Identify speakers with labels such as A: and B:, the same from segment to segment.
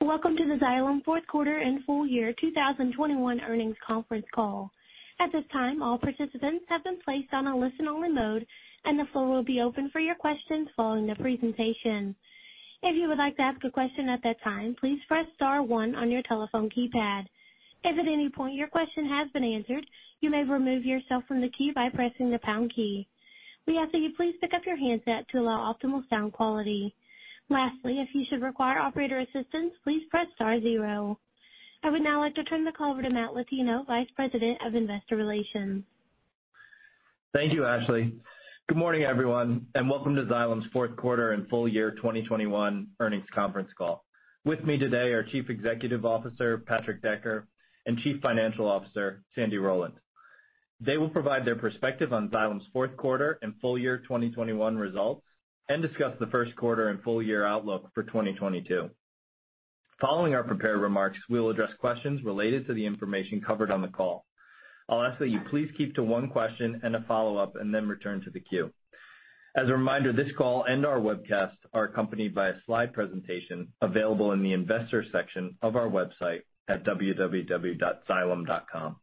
A: Welcome to the Xylem fourth quarter and full year 2021 earnings conference call. At this time, all participants have been placed on a listen-only mode, and the floor will be open for your questions following the presentation. If you would like to ask a question at that time, please press star one on your telephone keypad. If at any point your question has been answered, you may remove yourself from the queue by pressing the pound key. We ask that you please pick up your handset to allow optimal sound quality. Lastly, if you should require operator assistance, please press star zero. I would now like to turn the call over to Matt Latino, Vice President of Investor Relations.
B: Thank you, Ashley. Good morning, everyone, and welcome to Xylem's fourth quarter and full year 2021 earnings conference call. With me today are Chief Executive Officer, Patrick Decker, and Chief Financial Officer, Sandy Rowland. They will provide their perspective on Xylem's fourth quarter and full year 2021 results and discuss the first quarter and full year outlook for 2022. Following our prepared remarks, we will address questions related to the information covered on the call. I'll ask that you please keep to one question and a follow-up and then return to the queue. As a reminder, this call and our webcast are accompanied by a slide presentation available in the investors section of our website at www.xylem.com.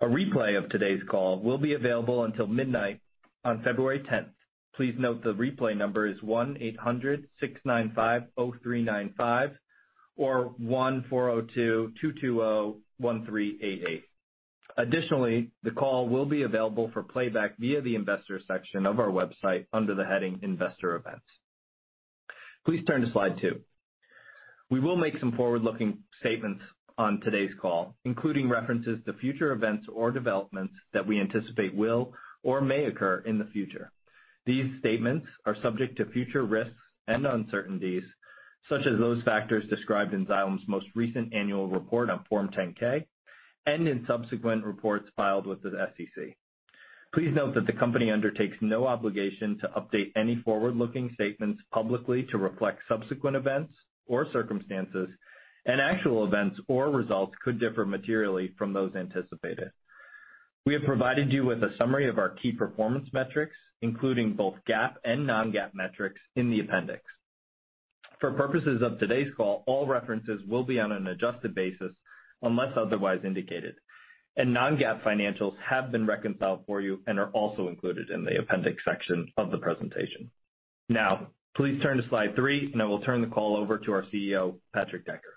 B: A replay of today's call will be available until midnight on February tenth. Please note the replay number is 1-800-695-0395 or 1-402-220-1388. Additionally, the call will be available for playback via the investors section of our website under the heading Investor Events. Please turn to slide two. We will make some forward-looking statements on today's call, including references to future events or developments that we anticipate will or may occur in the future. These statements are subject to future risks and uncertainties, such as those factors described in Xylem's most recent annual report on Form 10-K and in subsequent reports filed with the SEC. Please note that the company undertakes no obligation to update any forward-looking statements publicly to reflect subsequent events or circumstances, and actual events or results could differ materially from those anticipated. We have provided you with a summary of our key performance metrics, including both GAAP and non-GAAP metrics in the appendix. For purposes of today's call, all references will be on an adjusted basis unless otherwise indicated. non-GAAP financials have been reconciled for you and are also included in the appendix section of the presentation. Now, please turn to slide three, and I will turn the call over to our CEO, Patrick Decker.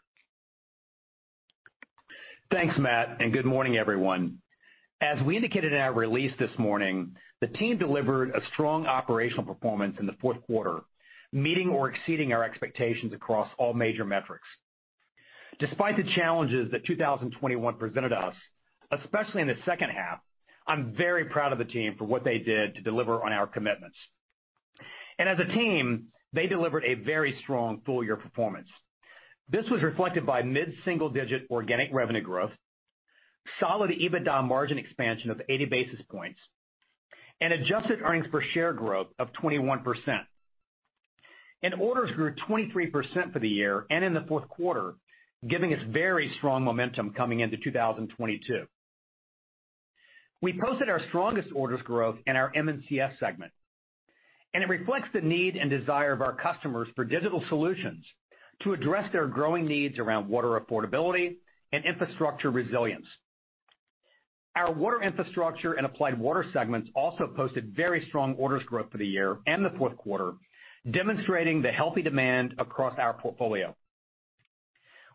C: Thanks, Matt, and good morning, everyone. As we indicated in our release this morning, the team delivered a strong operational performance in the fourth quarter, meeting or exceeding our expectations across all major metrics. Despite the challenges that 2021 presented us, especially in the second half, I'm very proud of the team for what they did to deliver on our commitments. As a team, they delivered a very strong full-year performance. This was reflected by mid-single-digit organic revenue growth, solid EBITDA margin expansion of 80 basis points, and adjusted earnings per share growth of 21%. Orders grew 23% for the year and in the fourth quarter, giving us very strong momentum coming into 2022. We posted our strongest orders growth in our MCS segment, and it reflects the need and desire of our customers for digital solutions to address their growing needs around water affordability and infrastructure resilience. Our Water Infrastructure and Applied Water segments also posted very strong orders growth for the year and the fourth quarter, demonstrating the healthy demand across our portfolio.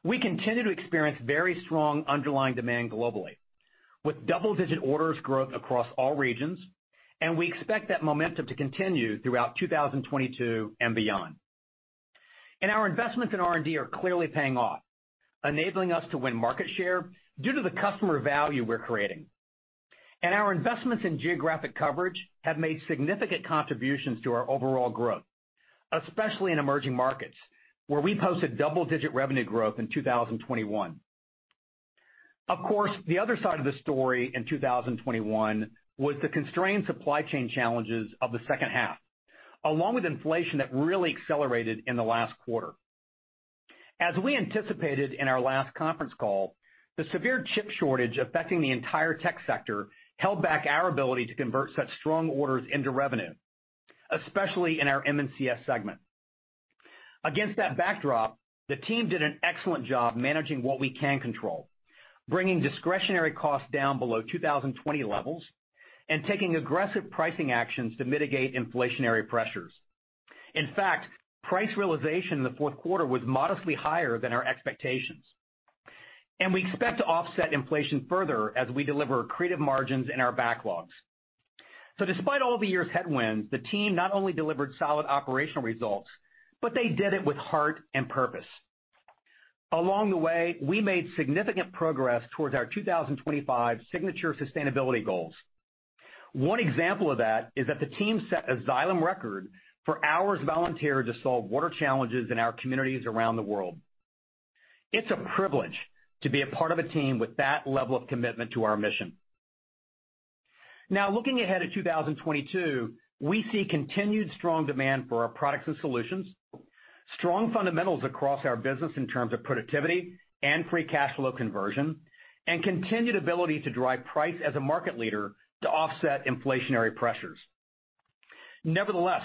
C: We continue to experience very strong underlying demand globally, with double-digit orders growth across all regions, and we expect that momentum to continue throughout 2022 and beyond. Our investments in R&D are clearly paying off, enabling us to win market share due to the customer value we're creating. Our investments in geographic coverage have made significant contributions to our overall growth, especially in emerging markets, where we posted double-digit revenue growth in 2021. Of course, the other side of the story in 2021 was the constrained supply chain challenges of the second half, along with inflation that really accelerated in the last quarter. As we anticipated in our last conference call, the severe chip shortage affecting the entire tech sector held back our ability to convert such strong orders into revenue, especially in our MCS segment. Against that backdrop, the team did an excellent job managing what we can control, bringing discretionary costs down below 2020 levels and taking aggressive pricing actions to mitigate inflationary pressures. In fact, price realization in the fourth quarter was modestly higher than our expectations. We expect to offset inflation further as we deliver accretive margins in our backlogs. Despite all the year's headwinds, the team not only delivered solid operational results, but they did it with heart and purpose. Along the way, we made significant progress towards our 2025 signature sustainability goals. One example of that is that the team set a Xylem record for hours volunteered to solve water challenges in our communities around the world. It's a privilege to be a part of a team with that level of commitment to our mission. Now, looking ahead at 2022, we see continued strong demand for our products and solutions, strong fundamentals across our business in terms of productivity and Free Cash Flow Conversion, and continued ability to drive price as a market leader to offset inflationary pressures. Nevertheless,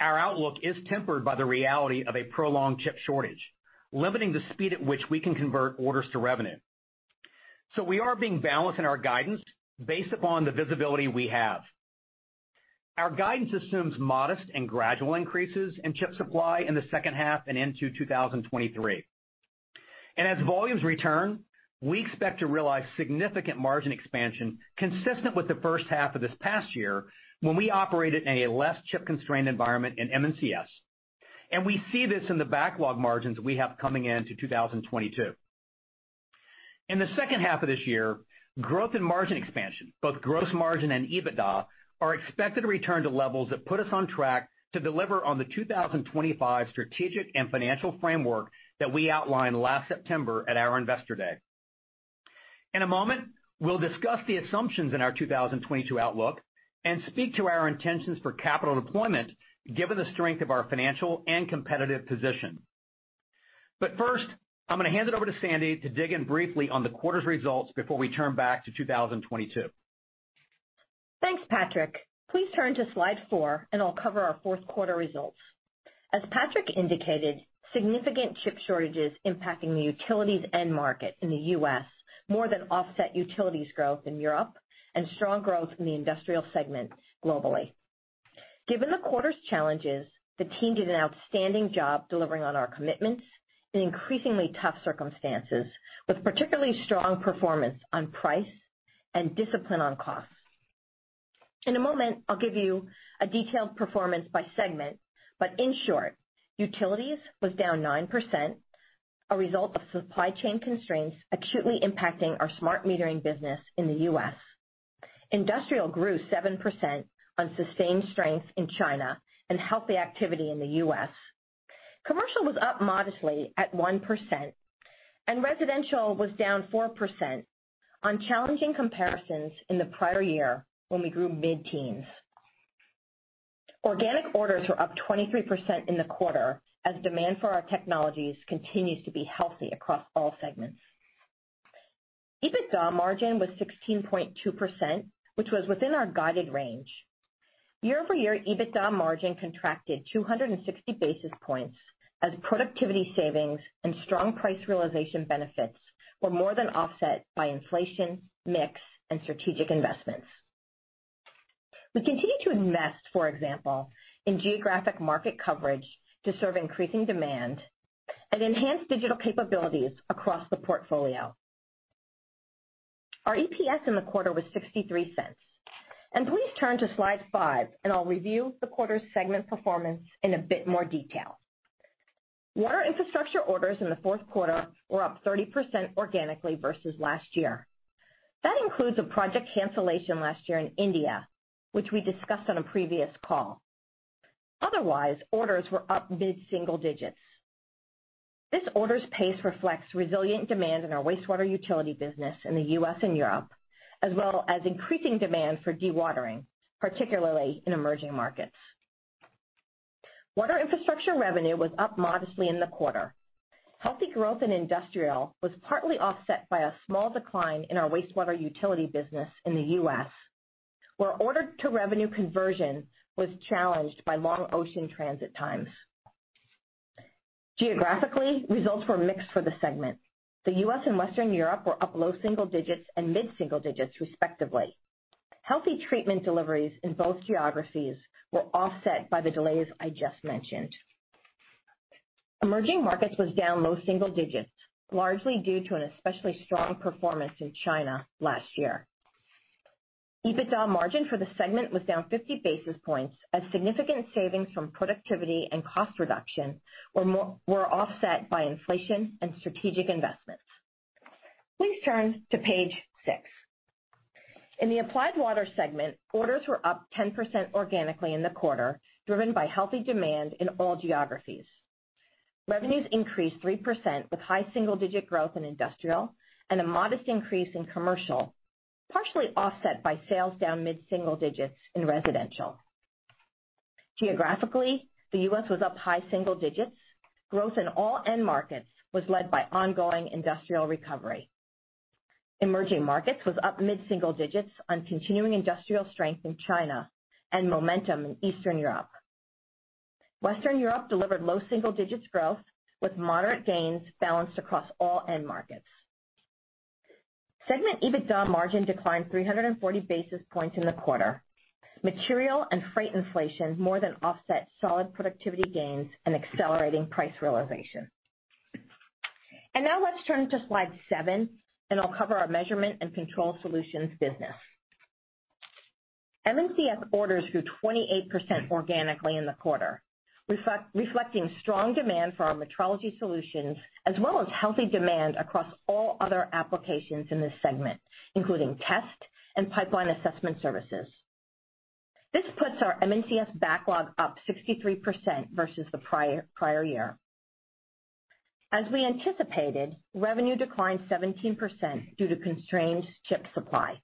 C: our outlook is tempered by the reality of a prolonged chip shortage, limiting the speed at which we can convert orders to revenue. We are being balanced in our guidance based upon the visibility we have. Our guidance assumes modest and gradual increases in chip supply in the second half and into 2023. As volumes return, we expect to realize significant margin expansion consistent with the first half of this past year, when we operated in a less chip-constrained environment in M&CS. We see this in the backlog margins we have coming into 2022. In the second half of this year, growth and margin expansion, both gross margin and EBITDA, are expected to return to levels that put us on track to deliver on the 2025 strategic and financial framework that we outlined last September at our Investor Day. In a moment, we'll discuss the assumptions in our 2022 outlook and speak to our intentions for capital deployment given the strength of our financial and competitive position. First, I'm going tohand it over to Sandy to dig in briefly on the quarter's results before we turn back to 2022.
D: Thanks, Patrick. Please turn to slide four, and I'll cover our fourth quarter results. As Patrick indicated, significant chip shortages impacting the utilities end market in the U.S. more than offset utilities growth in Europe and strong growth in the industrial segment globally. Given the quarter's challenges, the team did an outstanding job delivering on our commitments in increasingly tough circumstances, with particularly strong performance on price and discipline on costs. In a moment, I'll give you a detailed performance by segment, but in short, utilities was down 9%, a result of supply chain constraints acutely impacting our smart metering business in the U.S. Industrial grew 7% on sustained strength in China and healthy activity in the U.S. Commercial was up modestly at 1%, and residential was down 4% on challenging comparisons in the prior year when we grew mid-teens. Organic orders were up 23% in the quarter as demand for our technologies continues to be healthy across all segments. EBITDA margin was 16.2%, which was within our guided range. Year-over-year, EBITDA margin contracted 260 basis points as productivity savings and strong price realization benefits were more than offset by inflation, mix, and strategic investments. We continue to invest, for example, in geographic market coverage to serve increasing demand and enhance digital capabilities across the portfolio. Our EPS in the quarter was $0.63. Please turn to slide five, and I'll review the quarter's segment performance in a bit more detail. Water Infrastructure orders in the fourth quarter were up 30% organically versus last year. That includes a project cancellation last year in India, which we discussed on a previous call. Otherwise, orders were up mid-single digits. This orders pace reflects resilient demand in our wastewater utility business in the U.S. and Europe, as well as increasing demand for dewatering, particularly in emerging markets. Water Infrastructure revenue was up modestly in the quarter. Healthy growth in industrial was partly offset by a small decline in our wastewater utility business in the U.S., where order-to-revenue conversion was challenged by long ocean transit times. Geographically, results were mixed for the segment. The U.S. and Western Europe were up low single digits and mid-single digits, respectively. Healthy treatment deliveries in both geographies were offset by the delays I just mentioned. Emerging markets was down low single digits, largely due to an especially strong performance in China last year. EBITDA margin for the segment was down 50 basis points as significant savings from productivity and cost reduction were offset by inflation and strategic investments. Please turn to page six. In the Applied Water segment, orders were up 10% organically in the quarter, driven by healthy demand in all geographies. Revenues increased 3% with high single-digit growth in industrial and a modest increase in commercial, partially offset by sales down mid-single digits in residential. Geographically, the U.S. was up high single digits. Growth in all end markets was led by ongoing industrial recovery. Emerging markets was up mid-single digits on continuing industrial strength in China and momentum in Eastern Europe. Western Europe delivered low single-digits growth with moderate gains balanced across all end markets. Segment EBITDA margin declined 340 basis points in the quarter. Material and freight inflation more than offset solid productivity gains and accelerating price realization. Now let's turn to slide seven, and I'll cover our Measurement and Control Solutions business. M&CS orders grew 28% organically in the quarter, reflecting strong demand for our metrology solutions as well as healthy demand across all other applications in this segment, including test and pipeline assessment services. This puts our M&CS backlog up 63% versus the prior year. As we anticipated, revenue declined 17% due to constrained chip supply.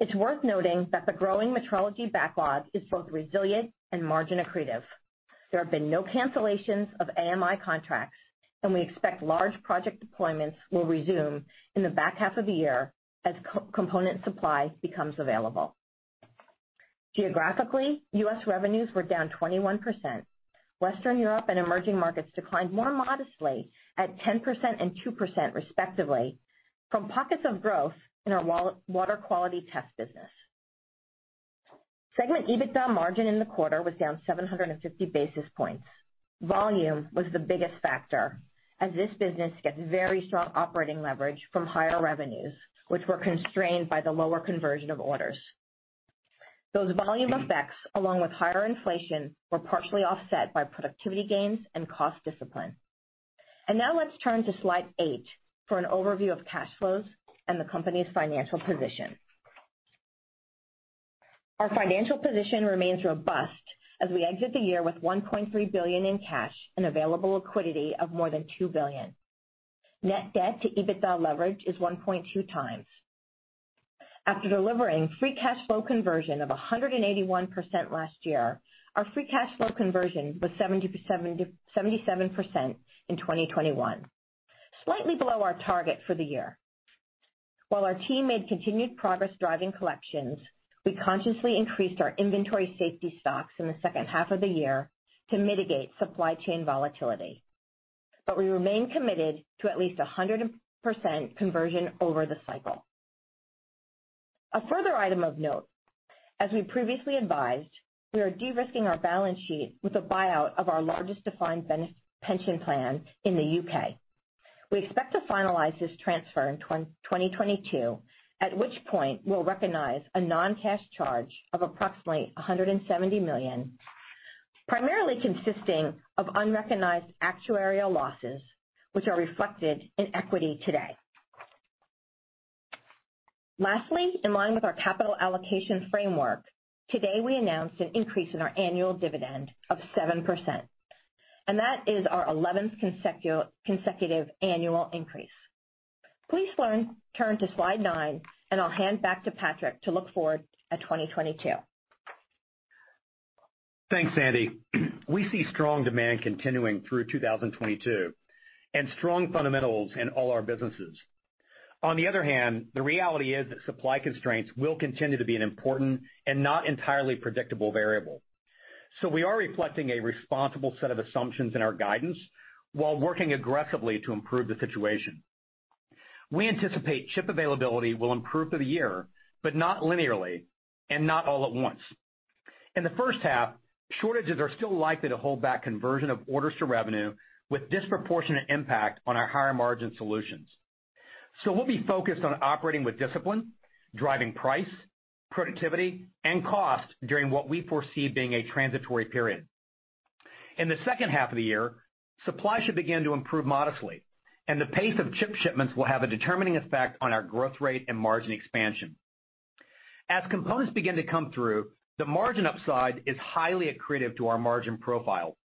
D: It's worth noting that the growing metrology backlog is both resilient and margin accretive. There have been no cancellations of AMI contracts, and we expect large project deployments will resume in the back half of the year as component supply becomes available. Geographically, U.S. revenues were down 21%. Western Europe and emerging markets declined more modestly at 10% and 2% respectively from pockets of growth in our water quality test business. Segment EBITDA margin in the quarter was down 750 basis points. Volume was the biggest factor as this business gets very strong operating leverage from higher revenues, which were constrained by the lower conversion of orders. Those volume effects, along with higher inflation, were partially offset by productivity gains and cost discipline. Now let's turn to slide eight for an overview of cash flows and the company's financial position. Our financial position remains robust as we exit the year with $1.3 billion in cash and available liquidity of more than $2 billion. Net debt to EBITDA leverage is 1.2 times. After delivering free cash flow conversion of 181% last year, our free cash flow conversion was 70%-77% in 2021, slightly below our target for the year. While our team made continued progress driving collections, we consciously increased our inventory safety stocks in the second half of the year to mitigate supply chain volatility. We remain committed to at least 100% conversion over the cycle. A further item of note, as we previously advised, we are de-risking our balance sheet with a buyout of our largest defined pension plan in the U.K. We expect to finalize this transfer in 2022, at which point we'll recognize a non-cash charge of approximately $170 million, primarily consisting of unrecognized actuarial losses, which are reflected in equity today. Lastly, in line with our capital allocation framework, today we announced an increase in our annual dividend of 7%, and that is our eleventh consecutive annual increase. Turn to slide nine, and I'll hand back to Patrick to look forward at 2022.
C: Thanks, Sandy. We see strong demand continuing through 2022 and strong fundamentals in all our businesses. On the other hand, the reality is that supply constraints will continue to be an important and not entirely predictable variable. We are reflecting a responsible set of assumptions in our guidance while working aggressively to improve the situation. We anticipate chip availability will improve through the year, but not linearly and not all at once. In the first half, shortages are still likely to hold back conversion of orders to revenue with disproportionate impact on our higher-margin solutions. We'll be focused on operating with discipline, driving price, productivity, and cost during what we foresee being a transitory period. In the second half of the year, supply should begin to improve modestly, and the pace of chip shipments will have a determining effect on our growth rate and margin expansion. As components begin to come through, the margin upside is highly accretive to our margin profile.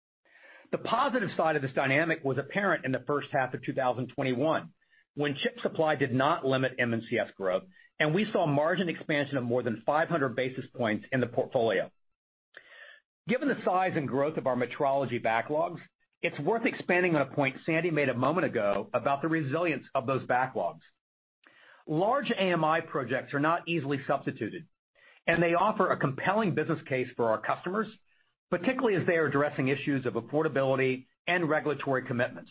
C: The positive side of this dynamic was apparent in the first half of 2021, when chip supply did not limit M&CS growth, and we saw margin expansion of more than 500 basis points in the portfolio. Given the size and growth of our metrology backlogs, it's worth expanding on a point Sandy made a moment ago about the resilience of those backlogs. Large AMI projects are not easily substituted, and they offer a compelling business case for our customers, particularly as they are addressing issues of affordability and regulatory commitments.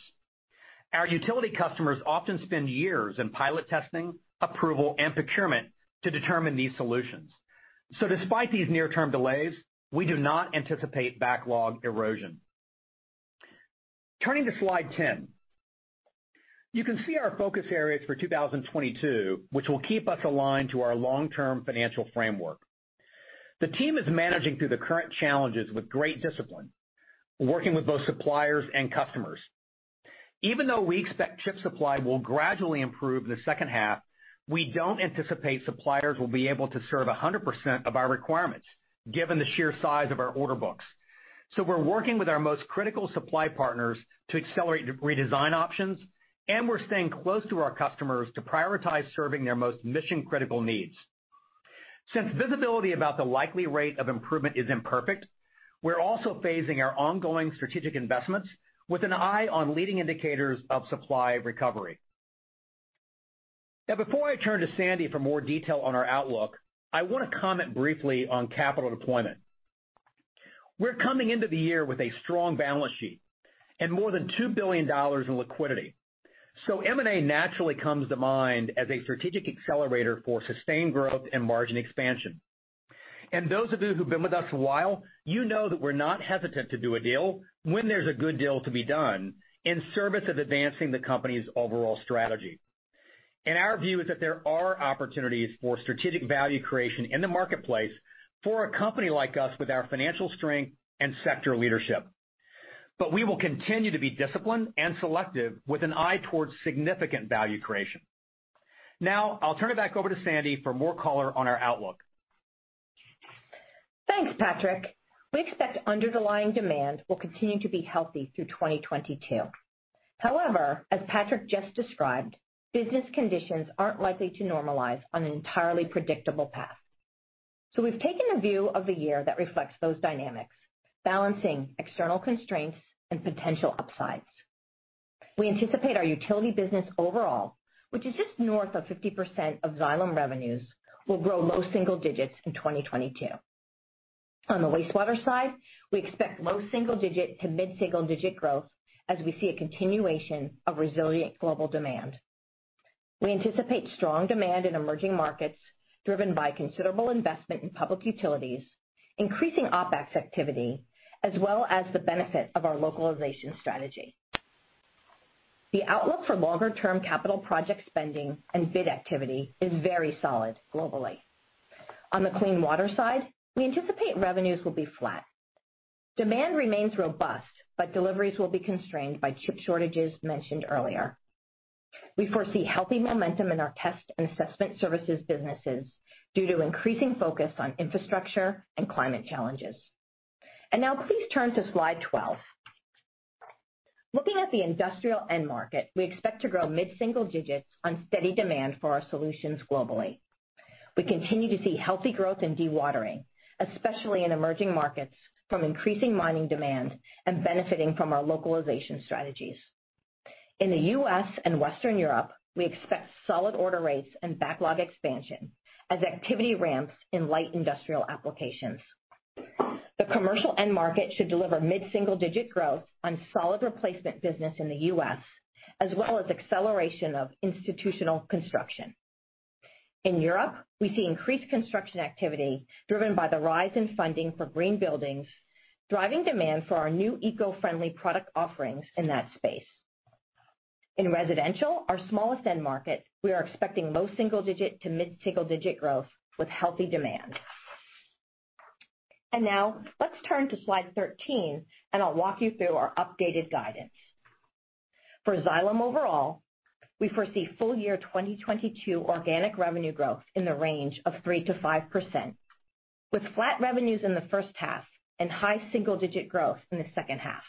C: Our utility customers often spend years in pilot testing, approval, and procurement to determine these solutions. Despite these near-term delays, we do not anticipate backlog erosion. Turning to slide 10, you can see our focus areas for 2022, which will keep us aligned to our long-term financial framework. The team is managing through the current challenges with great discipline, working with both suppliers and customers. Even though we expect chip supply will gradually improve in the second half, we don't anticipate suppliers will be able to serve 100% of our requirements given the sheer size of our order books. We're working with our most critical supply partners to accelerate re-redesign options, and we're staying close to our customers to prioritize serving their most mission-critical needs. Since visibility about the likely rate of improvement is imperfect, we're also phasing our ongoing strategic investments with an eye on leading indicators of supply recovery. Now, before I turn to Sandy for more detail on our outlook, I want to comment briefly on capital deployment. We're coming into the year with a strong balance sheet and more than $2 billion in liquidity. M&A naturally comes to mind as a strategic accelerator for sustained growth and margin expansion. Those of you who've been with us a while, you know that we're not hesitant to do a deal when there's a good deal to be done in service of advancing the company's overall strategy. Our view is that there are opportunities for strategic value creation in the marketplace for a company like us with our financial strength and sector leadership. We will continue to be disciplined and selective with an eye towards significant value creation. Now, I'll turn it back over to Sandy for more color on our outlook.
D: Thanks, Patrick. We expect underlying demand will continue to be healthy through 2022. However, as Patrick just described, business conditions aren't likely to normalize on an entirely predictable path. We've taken a view of the year that reflects those dynamics, balancing external constraints and potential upsides. We anticipate our utility business overall, which is just north of 50% of Xylem revenues, will grow low single digits in 2022. On the wastewater side, we expect low single-digit to mid-single digit growth as we see a continuation of resilient global demand. We anticipate strong demand in emerging markets driven by considerable investment in public utilities, increasing OpEx activity, as well as the benefit of our localization strategy. The outlook for longer term capital project spending and bid activity is very solid globally. On the clean water side, we anticipate revenues will be flat. Demand remains robust, but deliveries will be constrained by chip shortages mentioned earlier. We foresee healthy momentum in our test and assessment services businesses due to increasing focus on infrastructure and climate challenges. Now please turn to slide 12. Looking at the industrial end market, we expect to grow mid-single digits on steady demand for our solutions globally. We continue to see healthy growth in dewatering, especially in emerging markets from increasing mining demand and benefiting from our localization strategies. In the U.S. and Western Europe, we expect solid order rates and backlog expansion as activity ramps in light industrial applications. The commercial end market should deliver mid-single digit growth on solid replacement business in the U.S., as well as acceleration of institutional construction. In Europe, we see increased construction activity driven by the rise in funding for green buildings, driving demand for our new eco-friendly product offerings in that space. In residential, our smallest end market, we are expecting low single-digit to mid-single-digit growth with healthy demand. Now let's turn to slide 13, and I'll walk you through our updated guidance. For Xylem overall, we foresee full year 2022 organic revenue growth in the range of 3%-5%, with flat revenues in the first half and high single-digit growth in the second half.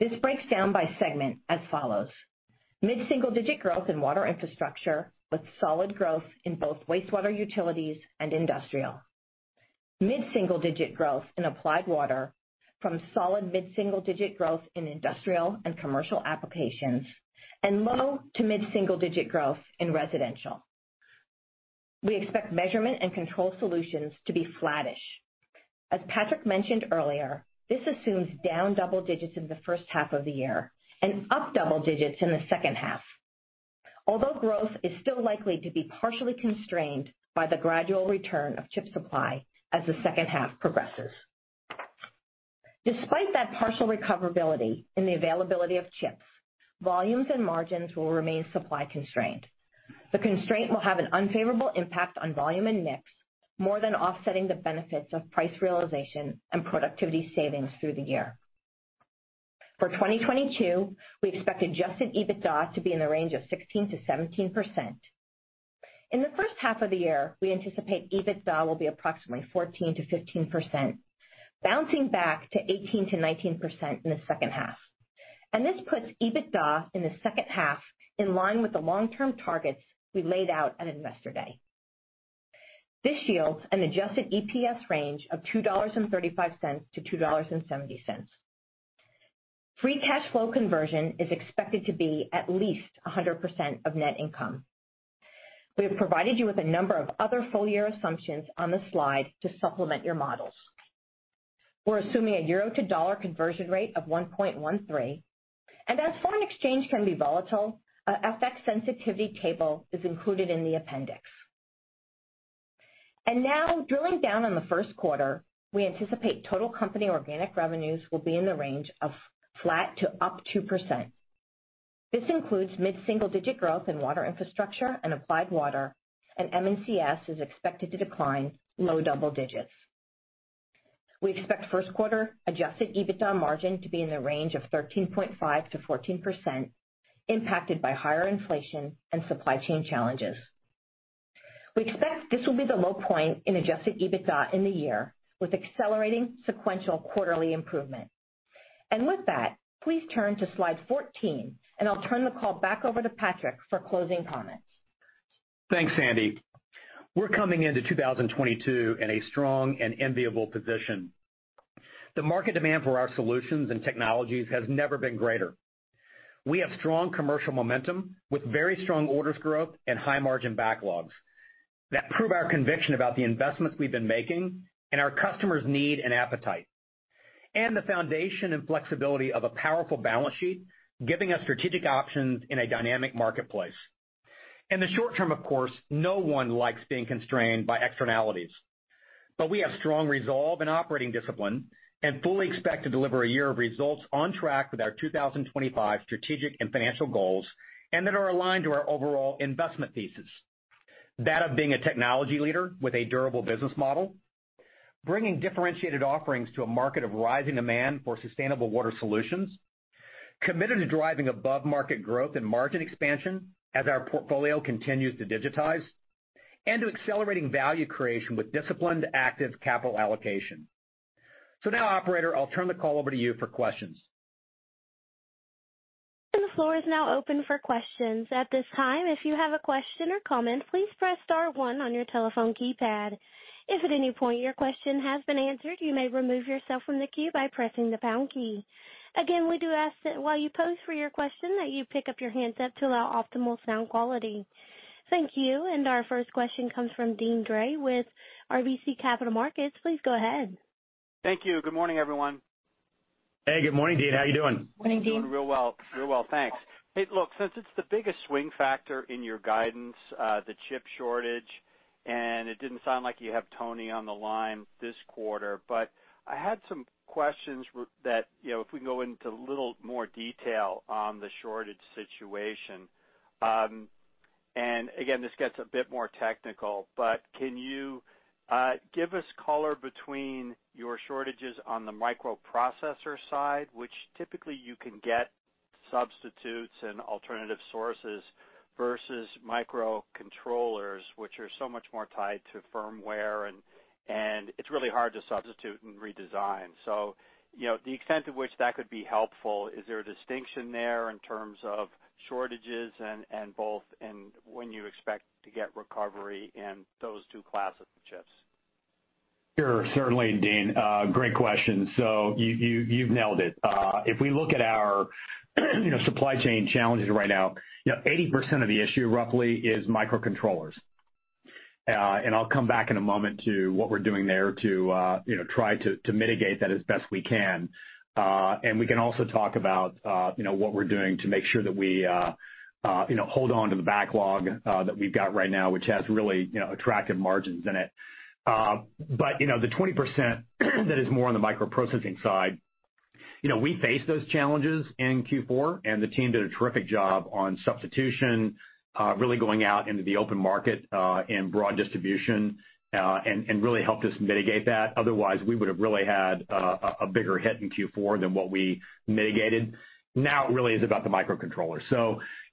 D: This breaks down by segment as follows: Mid-single-digit growth in Water Infrastructure with solid growth in both wastewater utilities and industrial. Mid-single-digit growth in Applied Water from solid mid-single-digit growth in industrial and commercial applications, and low- to mid-single-digit growth in residential. We expect Measurement and Control Solutions to be flattish. As Patrick mentioned earlier, this assumes down double digits in the first half of the year and up double digits in the second half. Although growth is still likely to be partially constrained by the gradual return of chip supply as the second half progresses. Despite that partial recoverability in the availability of chips, volumes and margins will remain supply constrained. The constraint will have an unfavorable impact on volume and mix, more than offsetting the benefits of price realization and productivity savings through the year. For 2022, we expect adjusted EBITDA to be in the range of 16%-17%. In the first half of the year, we anticipate EBITDA will be approximately 14%-15%, bouncing back to 18%-19% in the second half. This puts EBITDA in the second half in line with the long-term targets we laid out at Investor Day. This yields an adjusted EPS range of $2.35-$2.70. Free cash flow conversion is expected to be at least 100% of net income. We have provided you with a number of other full year assumptions on the slide to supplement your models. We're assuming a Euro to Dollar conversion rate of 1.13, and as foreign exchange can be volatile, a FX sensitivity table is included in the appendix. Now drilling down on the first quarter, we anticipate total company organic revenues will be in the range of flat to up 2%. This includes mid-single digit growth in Water Infrastructure and Applied Water, and M&CS is expected to decline low double digits. We expect first quarter adjusted EBITDA margin to be in the range of 13.5%-14%, impacted by higher inflation and supply chain challenges. We expect this will be the low point in adjusted EBITDA in the year, with accelerating sequential quarterly improvement. With that, please turn to slide 14, and I'll turn the call back over to Patrick for closing comments.
C: Thanks, Sandy. We're coming into 2022 in a strong and enviable position. The market demand for our solutions and technologies has never been greater. We have strong commercial momentum with very strong orders growth and high margin backlogs that prove our conviction about the investments we've been making and our customers' need and appetite, and the foundation and flexibility of a powerful balance sheet, giving us strategic options in a dynamic marketplace. In the short term, of course, no one likes being constrained by externalities, but we have strong resolve and operating discipline and fully expect to deliver a year of results on track with our 2025 strategic and financial goals and that are aligned to our overall investment thesis. That of being a technology leader with a durable business model, bringing differentiated offerings to a market of rising demand for sustainable water solutions, committed to driving above-market growth and margin expansion as our portfolio continues to digitize, and to accelerating value creation with disciplined active capital allocation. Now operator, I'll turn the call over to you for questions.
A: Our first question comes from Deane Dray with RBC Capital Markets. Please go ahead.
E: Thank you. Good morning, everyone.
C: Hey, good morning, Deane. How are you doing?
D: Morning, Deane.
E: Doing real well. Real well, thanks. Hey, look, since it's the biggest swing factor in your guidance, the chip shortage, and it didn't sound like you have Tony on the line this quarter, but I had some questions that, you know, if we can go into a little more detail on the shortage situation. Again, this gets a bit more technical, but can you give us color between your shortages on the microprocessor side, which typically you can get substitutes and alternative sources versus microcontrollers, which are so much more tied to firmware and it's really hard to substitute and redesign. You know, the extent to which that could be helpful, is there a distinction there in terms of shortages and both, and when you expect to get recovery in those two classes of chips?
C: Sure, certainly, Deane. Great question. You've nailed it. If we look at our supply chain challenges right now, you know, 80% of the issue roughly is microcontrollers. I'll come back in a moment to what we're doing there to you know try to mitigate that as best we can. We can also talk about you know what we're doing to make sure that we you know hold on to the backlog that we've got right now, which has really you know attractive margins in it. You know, the 20% that is more on the microprocessing side, you know, we face those challenges in Q4, and the team did a terrific job on substitution, really going out into the open market, and broad distribution, and really helped us mitigate that. Otherwise, we would've really had a bigger hit in Q4 than what we mitigated. Now it really is about the microcontroller.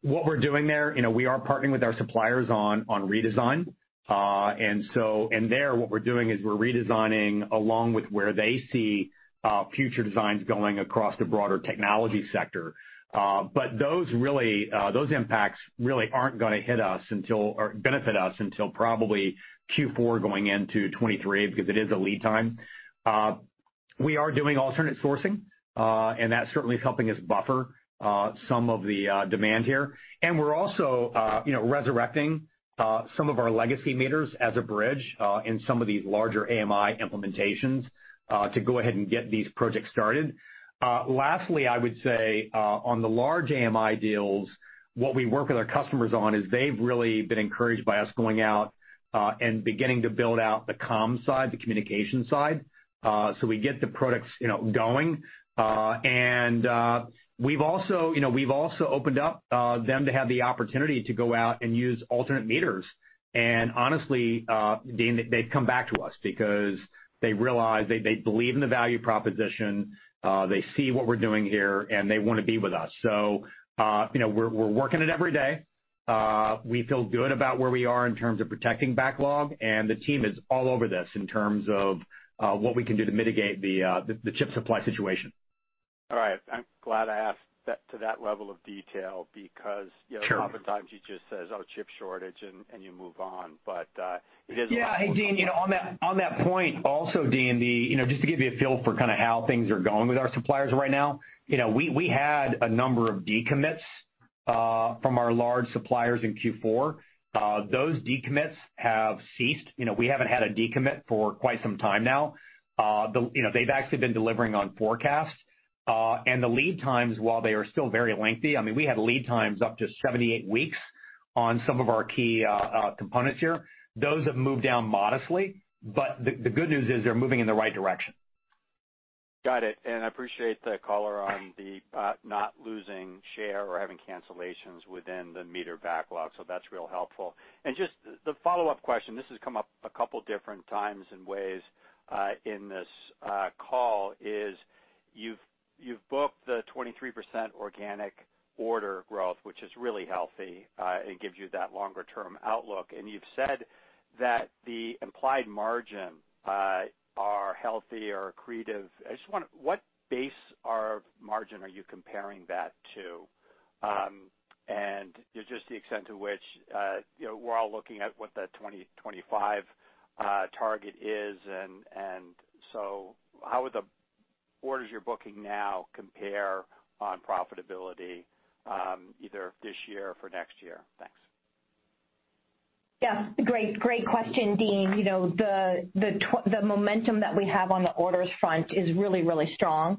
C: What we're doing there, you know, we are partnering with our suppliers on redesign. And there what we're doing is we're redesigning along with where they see future designs going across the broader technology sector. Those impacts really aren't gonna hit us until or benefit us until probably Q4 going into 2023 because it is a lead time. We are doing alternate sourcing, and that certainly is helping us buffer some of the demand here. We're also, you know, resurrecting some of our legacy meters as a bridge in some of these larger AMI implementations to go ahead and get these projects started. Lastly, I would say on the large AMI deals, what we work with our customers on is they've really been encouraged by us going out and beginning to build out the comms side, the communication side, so we get the products, you know, going. We've also, you know, opened up to them to have the opportunity to go out and use alternate meters. Honestly, Deane, they've come back to us because they realize they believe in the value proposition, they see what we're doing here, and they wanna be with us. You know, we're working it every day. We feel good about where we are in terms of protecting backlog, and the team is all over this in terms of what we can do to mitigate the chip supply situation.
E: All right. I'm glad I asked that to that level of detail because.
C: Sure.
E: You know, oftentimes you just says, "Oh, chip shortage," and you move on. It is-
C: Yeah. Hey, Deane, you know, on that point also, Deane, you know, just to give you a feel for kind of how things are going with our suppliers right now, you know, we had a number of decommits from our large suppliers in Q4. Those decommits have ceased. You know, we haven't had a decommit for quite some time now. You know, they've actually been delivering on forecasts. And the lead times, while they are still very lengthy, I mean, we had lead times up to 78 weeks on some of our key components here. Those have moved down modestly, but the good news is they're moving in the right direction.
E: Got it. I appreciate the color on the not losing share or having cancellations within the meter backlog. That's really helpful. Just the follow-up question, this has come up a couple different times and ways in this call, is you've booked the 23% organic order growth, which is really healthy and gives you that longer term outlook. You've said that the implied margin are healthy or accretive. I just wonder what base margin are you comparing that to? Just the extent to which you know, we're all looking at what the 2025 target is and so how would the orders you're booking now compare on profitability either this year or for next year? Thanks.
D: Yeah. Great question, Deane. You know, the momentum that we have on the orders front is really strong,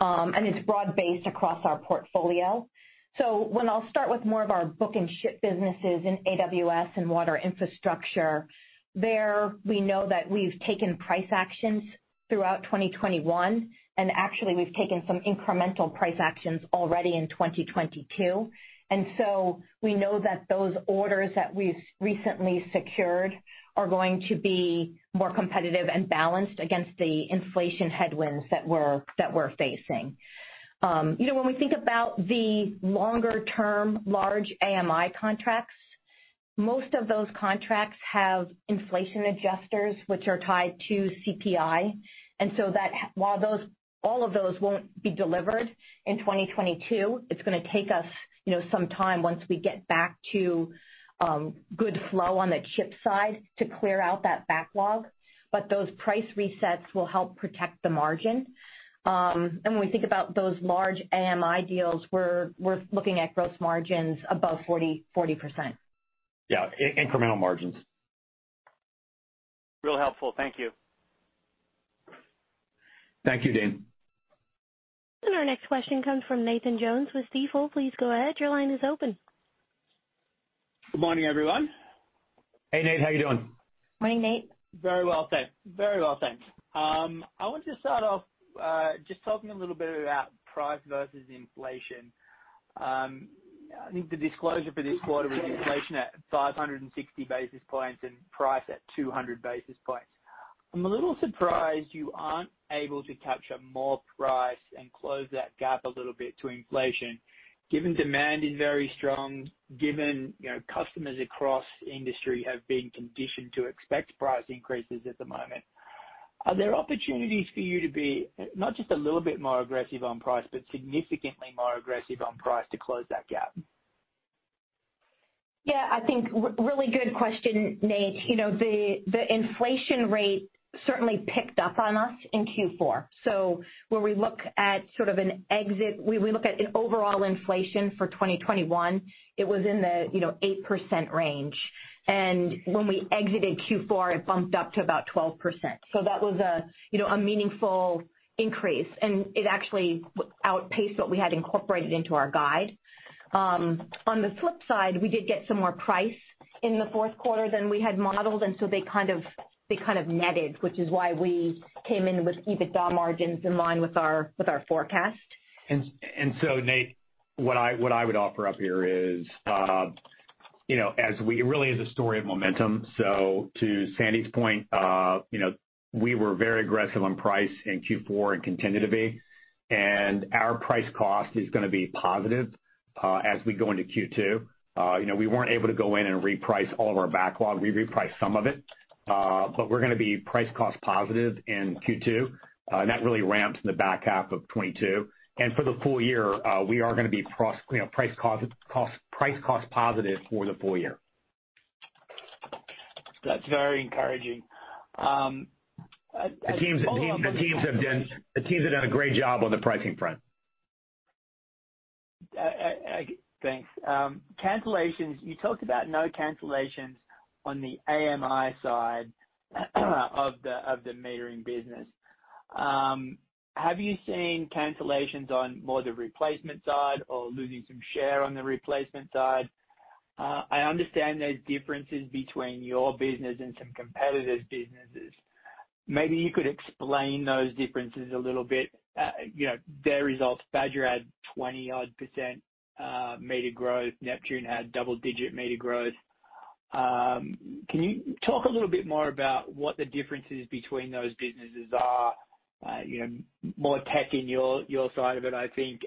D: and it's broad-based across our portfolio. When I'll start with more of our book and ship businesses in AWS and Water Infrastructure, there we know that we've taken price actions throughout 2021, and actually we've taken some incremental price actions already in 2022. We know that those orders that we've recently secured are going to be more competitive and balanced against the inflation headwinds that we're facing. You know, when we think about the longer-term large AMI contracts, most of those contracts have inflation adjusters, which are tied to CPI. While all of those won't be delivered in 2022, it's gonna take us, you know, some time once we get back to good flow on the chip side to clear out that backlog. Those price resets will help protect the margin. When we think about those large AMI deals, we're looking at gross margins above 40%.
C: Yeah, incremental margins.
E: Real helpful. Thank you.
C: Thank you, Deane.
A: Our next question comes from Nathan Jones with Stifel. Please go ahead. Your line is open.
F: Good morning, everyone.
C: Hey, Nate. How you doing?
D: Morning, Nate.
F: Very well, thanks. I want to start off, just talking a little bit about price versus inflation. I think the disclosure for this quarter was inflation at 560 basis points and price at 200 basis points. I'm a little surprised you aren't able to capture more price and close that gap a little bit to inflation given demand is very strong, given, you know, customers across industry have been conditioned to expect price increases at the moment. Are there opportunities for you to be not just a little bit more aggressive on price, but significantly more aggressive on price to close that gap?
D: Yeah, I think really good question, Nate. You know, the inflation rate certainly picked up on us in Q4. When we look at sort of an exit rate, the overall inflation for 2021 was in the, you know, 8% range. When we exited Q4, it bumped up to about 12%. That was a, you know, meaningful increase, and it actually outpaced what we had incorporated into our guide. On the flip side, we did get some more price in the fourth quarter than we had modeled, and they kind of netted, which is why we came in with EBITDA margins in line with our forecast.
C: Nate, what I would offer up here is, you know, it really is a story of momentum. To Sandy's point, you know, we were very aggressive on price in Q4 and continue to be, and our price cost is going to be positive, as we go into Q2. You know, we weren't able to go in and reprice all of our backlog. We repriced some of it, but we're gonna be price cost positive in Q2, and that really ramps in the back half of 2022. For the full year, we are gonna be, you know, price cost positive for the full year.
F: That's very encouraging.
C: The teams have done a great job on the pricing front.
F: Thanks. Cancellations. You talked about no cancellations on the AMI side of the metering business. Have you seen cancellations on more the replacement side or losing some share on the replacement side? I understand there's differences between your business and some competitors' businesses. Maybe you could explain those differences a little bit. You know, their results. Badger had 20-odd% meter growth. Neptune had double-digit meter growth. Can you talk a little bit more about what the differences between those businesses are? You know, more tech in your side of it, I think,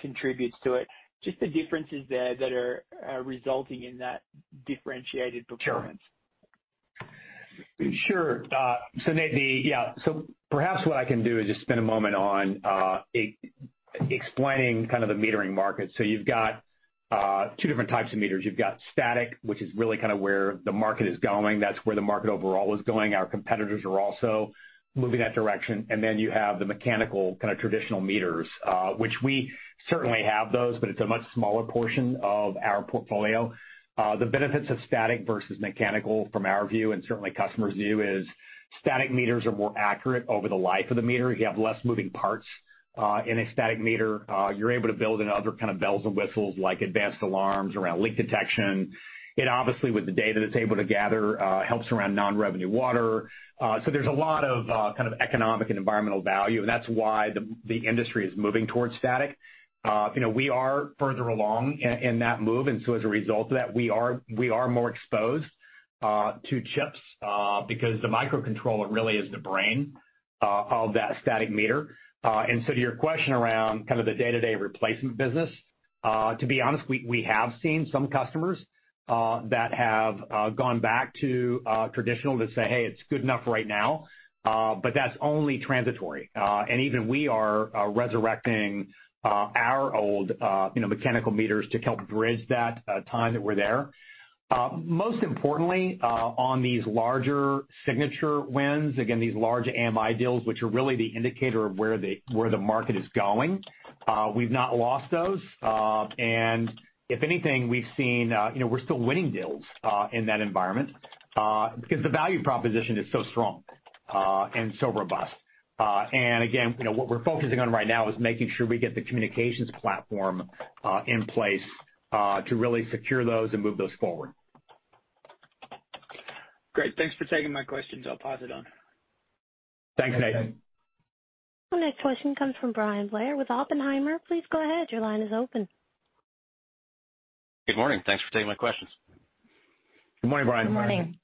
F: contributes to it. Just the differences there that are resulting in that differentiated performance.
C: Sure. Nate, perhaps what I can do is just spend a moment on explaining kind of the metering market. You've got two different types of meters. You've got static, which is really kind of where the market is going. That's where the market overall is going. Our competitors are also moving that direction. Then you have the mechanical kind of traditional meters, which we certainly have those, but it's a much smaller portion of our portfolio. The benefits of static versus mechanical from our view and certainly customers' view is static meters are more accurate over the life of the meter. You have less moving parts in a static meter. You're able to build in other kind of bells and whistles like advanced alarms around leak detection. It obviously, with the data it's able to gather, helps around non-revenue water. There's a lot of kind of economic and environmental value, and that's why the industry is moving towards static. You know, we are further along in that move, and as a result of that, we are more exposed to chips because the microcontroller really is the brain of that static meter. To your question around kind of the day-to-day replacement business, to be honest, we have seen some customers that have gone back to traditional to say, "Hey, it's good enough right now," but that's only transitory. Even we are resurrecting our old, you know, mechanical meters to help bridge that time that we're there. Most importantly, on these larger signature wins, again, these large AMI deals, which are really the indicator of where the market is going, we've not lost those. If anything, we've seen, you know, we're still winning deals in that environment because the value proposition is so strong and so robust. Again, you know, what we're focusing on right now is making sure we get the communications platform in place to really secure those and move those forward.
F: Great. Thanks for taking my questions. I'll pass it on.
C: Thanks, Nate.
A: Our next question comes from Bryan Blair with Oppenheimer. Please go ahead. Your line is open.
G: Good morning. Thanks for taking my questions.
C: Good morning, Bryan.
D: Good morning.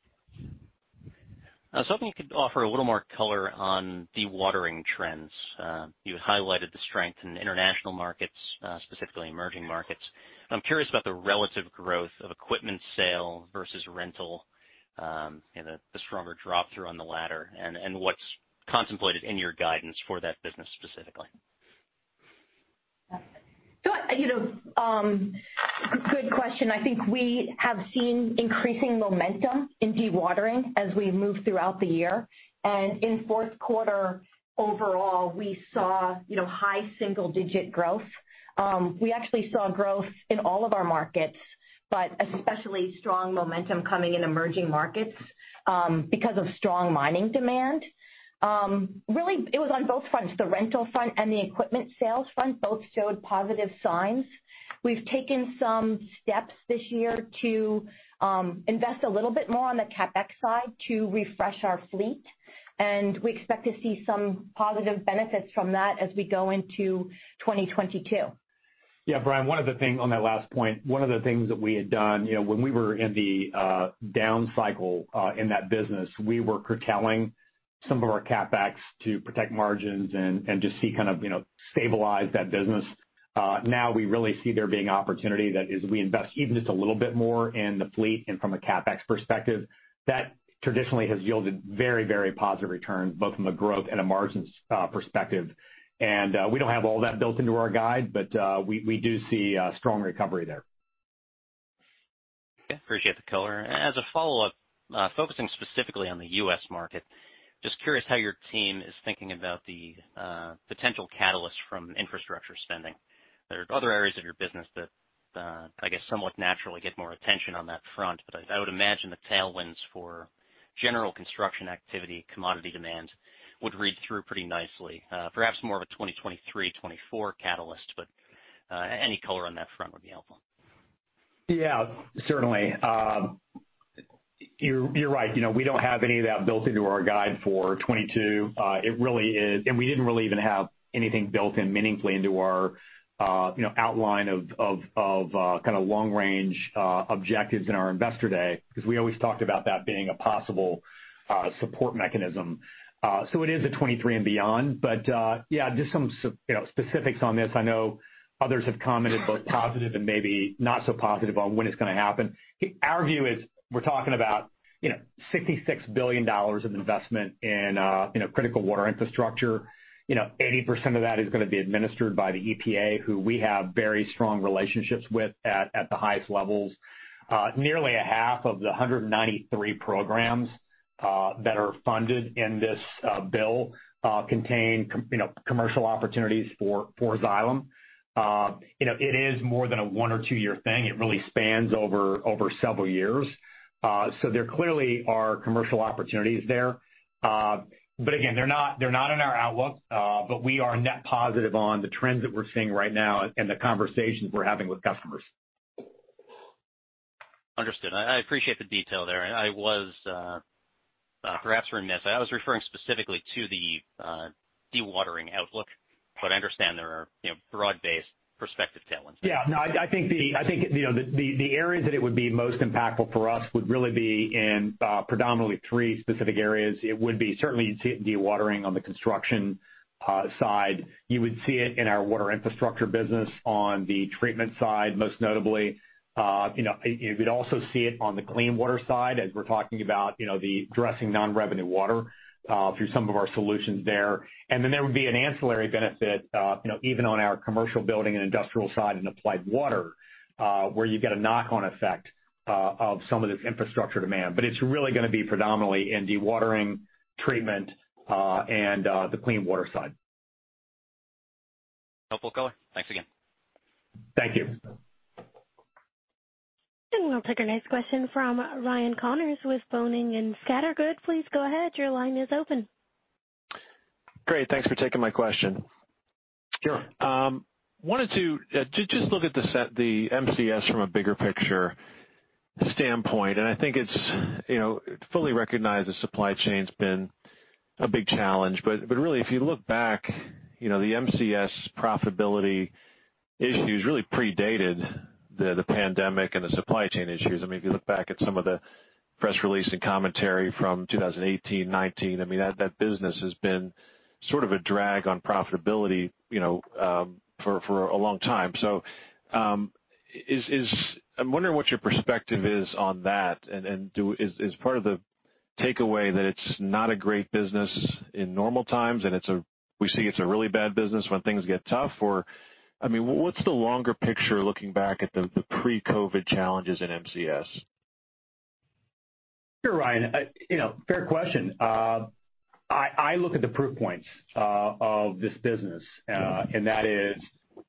G: I was hoping you could offer a little more color on dewatering trends. You had highlighted the strength in international markets, specifically emerging markets. I'm curious about the relative growth of equipment sale versus rental, the stronger drop through on the latter, and what's contemplated in your guidance for that business specifically.
D: You know, good question. I think we have seen increasing momentum in dewatering as we move throughout the year. In fourth quarter, overall, we saw, you know, high single-digit growth. We actually saw growth in all of our markets, but especially strong momentum coming in emerging markets, because of strong mining demand. Really it was on both fronts, the rental front and the equipment sales front both showed positive signs. We've taken some steps this year to invest a little bit more on the CapEx side to refresh our fleet, and we expect to see some positive benefits from that as we go into 2022.
C: Yeah. Bryan, on that last point, one of the things that we had done, you know, when we were in the down cycle in that business, we were curtailing some of our CapEx to protect margins and just see kind of, you know, stabilize that business. Now we really see there being opportunity that is we invest even just a little bit more in the fleet and from a CapEx perspective. That traditionally has yielded very, very positive returns, both from a growth and a margins perspective. We don't have all that built into our guide, but we do see strong recovery there.
G: Appreciate the color. As a follow-up, focusing specifically on the US market, just curious how your team is thinking about the potential catalyst from infrastructure spending. There are other areas of your business that, I guess, somewhat naturally get more attention on that front, but I would imagine the tailwinds for general construction activity, commodity demand would read through pretty nicely, perhaps more of a 2023, 2024 catalyst, but any color on that front would be helpful.
C: Yeah, certainly. You're right. You know, we don't have any of that built into our guide for 2022. It really is. We didn't really even have anything built in meaningfully into our, you know, outline of kind of long range objectives in our Investor Day, because we always talked about that being a possible support mechanism. It is a 2023 and beyond. Yeah, just some, you know, specifics on this. I know others have commented both positive and maybe not so positive on when it's gonna happen. Our view is we're talking about, you know, $66 billion of investment in, you know, critical water infrastructure. You know, 80% of that is gonna be administered by the EPA, who we have very strong relationships with at the highest levels. Nearly a half of the 193 programs that are funded in this bill contain, you know, commercial opportunities for Xylem. You know, it is more than a one or two-year thing. It really spans over several years. There clearly are commercial opportunities there. Again, they're not in our outlook, but we are net positive on the trends that we're seeing right now and the conversations we're having with customers.
G: Understood. I appreciate the detail there. I was perhaps remiss. I was referring specifically to the dewatering outlook, but I understand there are, you know, broad-based prospective tailwinds.
C: Yeah. No, I think you know the areas that it would be most impactful for us would really be in predominantly three specific areas. It would be certainly dewatering on the construction side. You would see it in our Water Infrastructure business on the treatment side, most notably. You know, you'd also see it on the clean water side as we're talking about you know the addressing non-revenue water through some of our solutions there. And then there would be an ancillary benefit you know even on our commercial building and industrial side in Applied Water where you get a knock-on effect of some of this infrastructure demand. It's really gonna be predominantly in dewatering treatment and the clean water side.
G: Helpful color. Thanks again.
C: Thank you.
A: We'll take our next question from Ryan Connors with Boenning & Scattergood. Please go ahead. Your line is open.
H: Great. Thanks for taking my question.
C: Sure.
H: I wanted to just look at the segment, the MCS from a bigger picture standpoint, and I think it's, you know, fully recognize the supply chain's been a big challenge. But really if you look back, you know, the MCS profitability issues really predated the pandemic and the supply chain issues. I mean, if you look back at some of the press release and commentary from 2018, 2019, I mean, that business has been sort of a drag on profitability, you know, for a long time. So, I'm wondering what your perspective is on that and is part of the takeaway that it's not a great business in normal times, and we see it's a really bad business when things get tough. I mean, what's the longer picture looking back at the pre-COVID challenges in MCS?
C: Sure, Ryan. You know, fair question. I look at the proof points of this business, and that is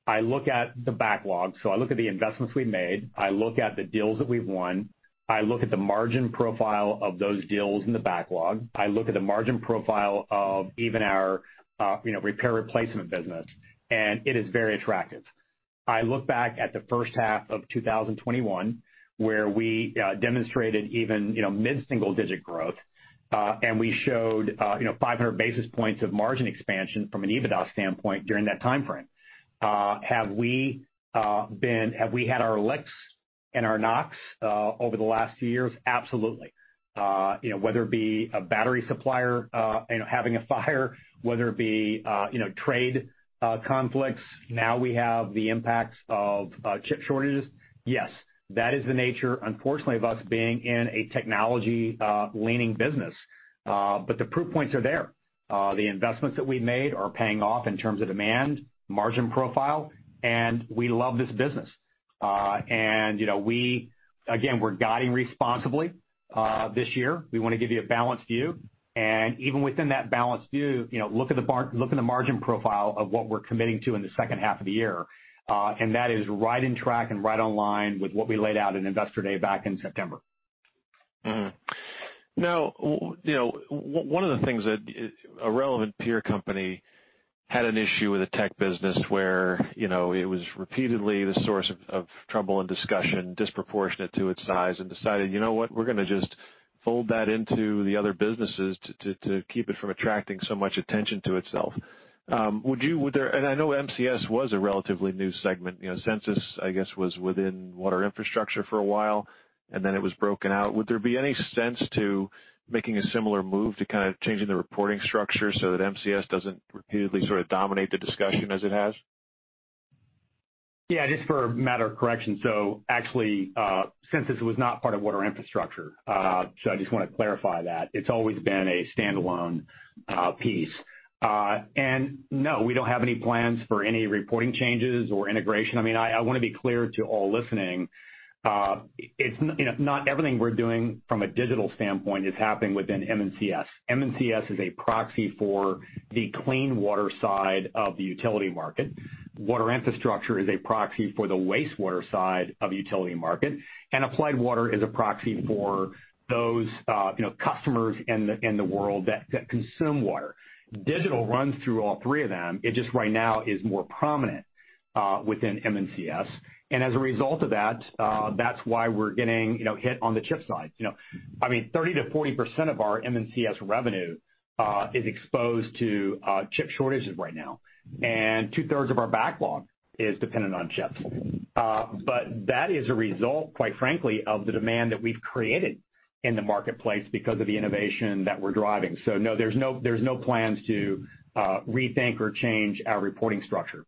C: I look at the backlog. I look at the investments we made. I look at the deals that we've won. I look at the margin profile of those deals in the backlog. I look at the margin profile of even our, you know, repair replacement business, and it is very attractive. I look back at the first half of 2021, where we demonstrated even, you know, mid-single digit growth, and we showed, you know, 500 basis points of margin expansion from an EBITDA standpoint during that timeframe. Have we had our licks and knocks over the last few years, absolutely. You know, whether it be a battery supplier, you know, having a fire, whether it be, you know, trade conflicts. Now we have the impacts of chip shortages. Yes, that is the nature, unfortunately, of us being in a technology leaning business. But the proof points are there. The investments that we've made are paying off in terms of demand, margin profile, and we love this business. You know, again, we're guiding responsibly this year. We wanna give you a balanced view. Even within that balanced view, you know, look at the margin profile of what we're committing to in the second half of the year, and that is right on track and right in line with what we laid out in Investor Day back in September.
H: Now, you know, one of the things that a relevant peer company had an issue with a tech business where, you know, it was repeatedly the source of trouble and discussion disproportionate to its size, and decided, "You know what? We're gonna just fold that into the other businesses to keep it from attracting so much attention to itself." I know MCS was a relatively new segment. You know, Sensus, I guess, was within Water Infrastructure for a while, and then it was broken out. Would there be any sense to making a similar move to kind of changing the reporting structure so that MCS doesn't repeatedly sort of dominate the discussion as it has?
C: Yeah, just for a matter of correction. Actually, Sensus was not part of Water Infrastructure. I just wanna clarify that. It's always been a standalone piece. No, we don't have any plans for any reporting changes or integration. I mean, I wanna be clear to all listening. You know, not everything we're doing from a digital standpoint is happening within M&CS. M&CS is a proxy for the clean water side of the utility market. Water Infrastructure is a proxy for the wastewater side of utility market, and Applied Water is a proxy for those customers in the world that consume water. Digital runs through all three of them. It just right now is more prominent within M&CS. As a result of that's why we're getting, you know, hit on the chip side. You know, I mean, 30%-40% of our M&CS revenue is exposed to chip shortages right now, and two-thirds of our backlog is dependent on chips. But that is a result, quite frankly, of the demand that we've created in the marketplace because of the innovation that we're driving. No, there's no plans to rethink or change our reporting structure.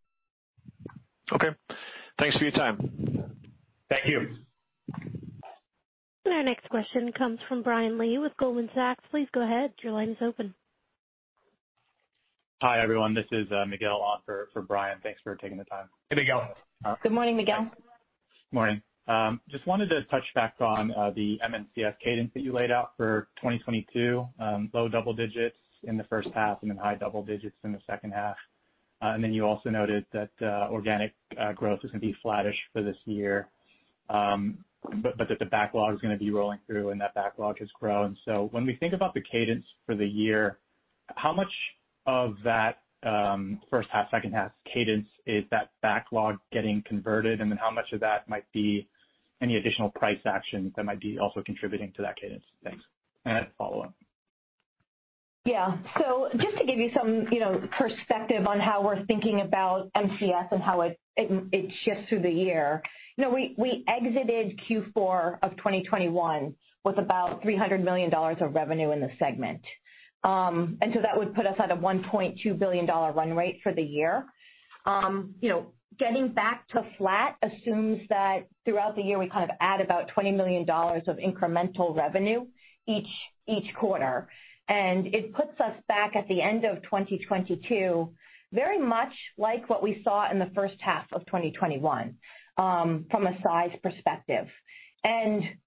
H: Okay. Thanks for your time.
C: Thank you.
A: Our next question comes from Brian Lee with Goldman Sachs. Please go ahead. Your line is open.
I: Hi, everyone. This is Miguel on for Brian. Thanks for taking the time.
C: Hey, Miguel.
I: All right.
D: Good morning, Miguel.
I: Morning. Just wanted to touch back on the M&CS cadence that you laid out for 2022, low double digits in the first half and then high double digits in the second half. You also noted that organic growth is going to be flattish for this year, but that the backlog is going to be rolling through, and that backlog has grown. When we think about the cadence for the year, how much of that first half, second half cadence is that backlog getting converted, and then how much of that might be any additional price action that might be also contributing to that cadence? Thanks. And a follow-up.
D: Yeah. Just to give you some, you know, perspective on how we're thinking about MCS and how it shifts through the year, you know, we exited Q4 of 2021 with about $300 million of revenue in the segment. That would put us at a $1.2 billion run rate for the year. You know, getting back to flat assumes that throughout the year, we kind of add about $20 million of incremental revenue each quarter. It puts us back at the end of 2022, very much like what we saw in the first half of 2021, from a size perspective.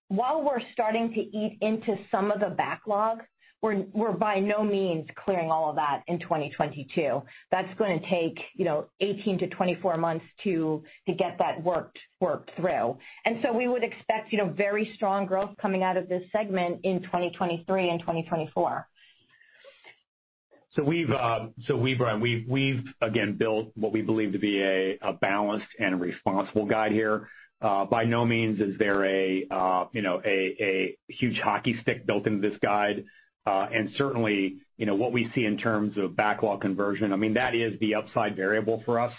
D: While we're starting to eat into some of the backlog, we're by no means clearing all of that in 2022. That's gonna take, you know, 18-24 months to get that worked through. We would expect, you know, very strong growth coming out of this segment in 2023 and 2024.
C: Brian, we've again built what we believe to be a balanced and responsible guide here. By no means is there a you know huge hockey stick built into this guide. And certainly, you know, what we see in terms of backlog conversion, I mean, that is the upside variable for us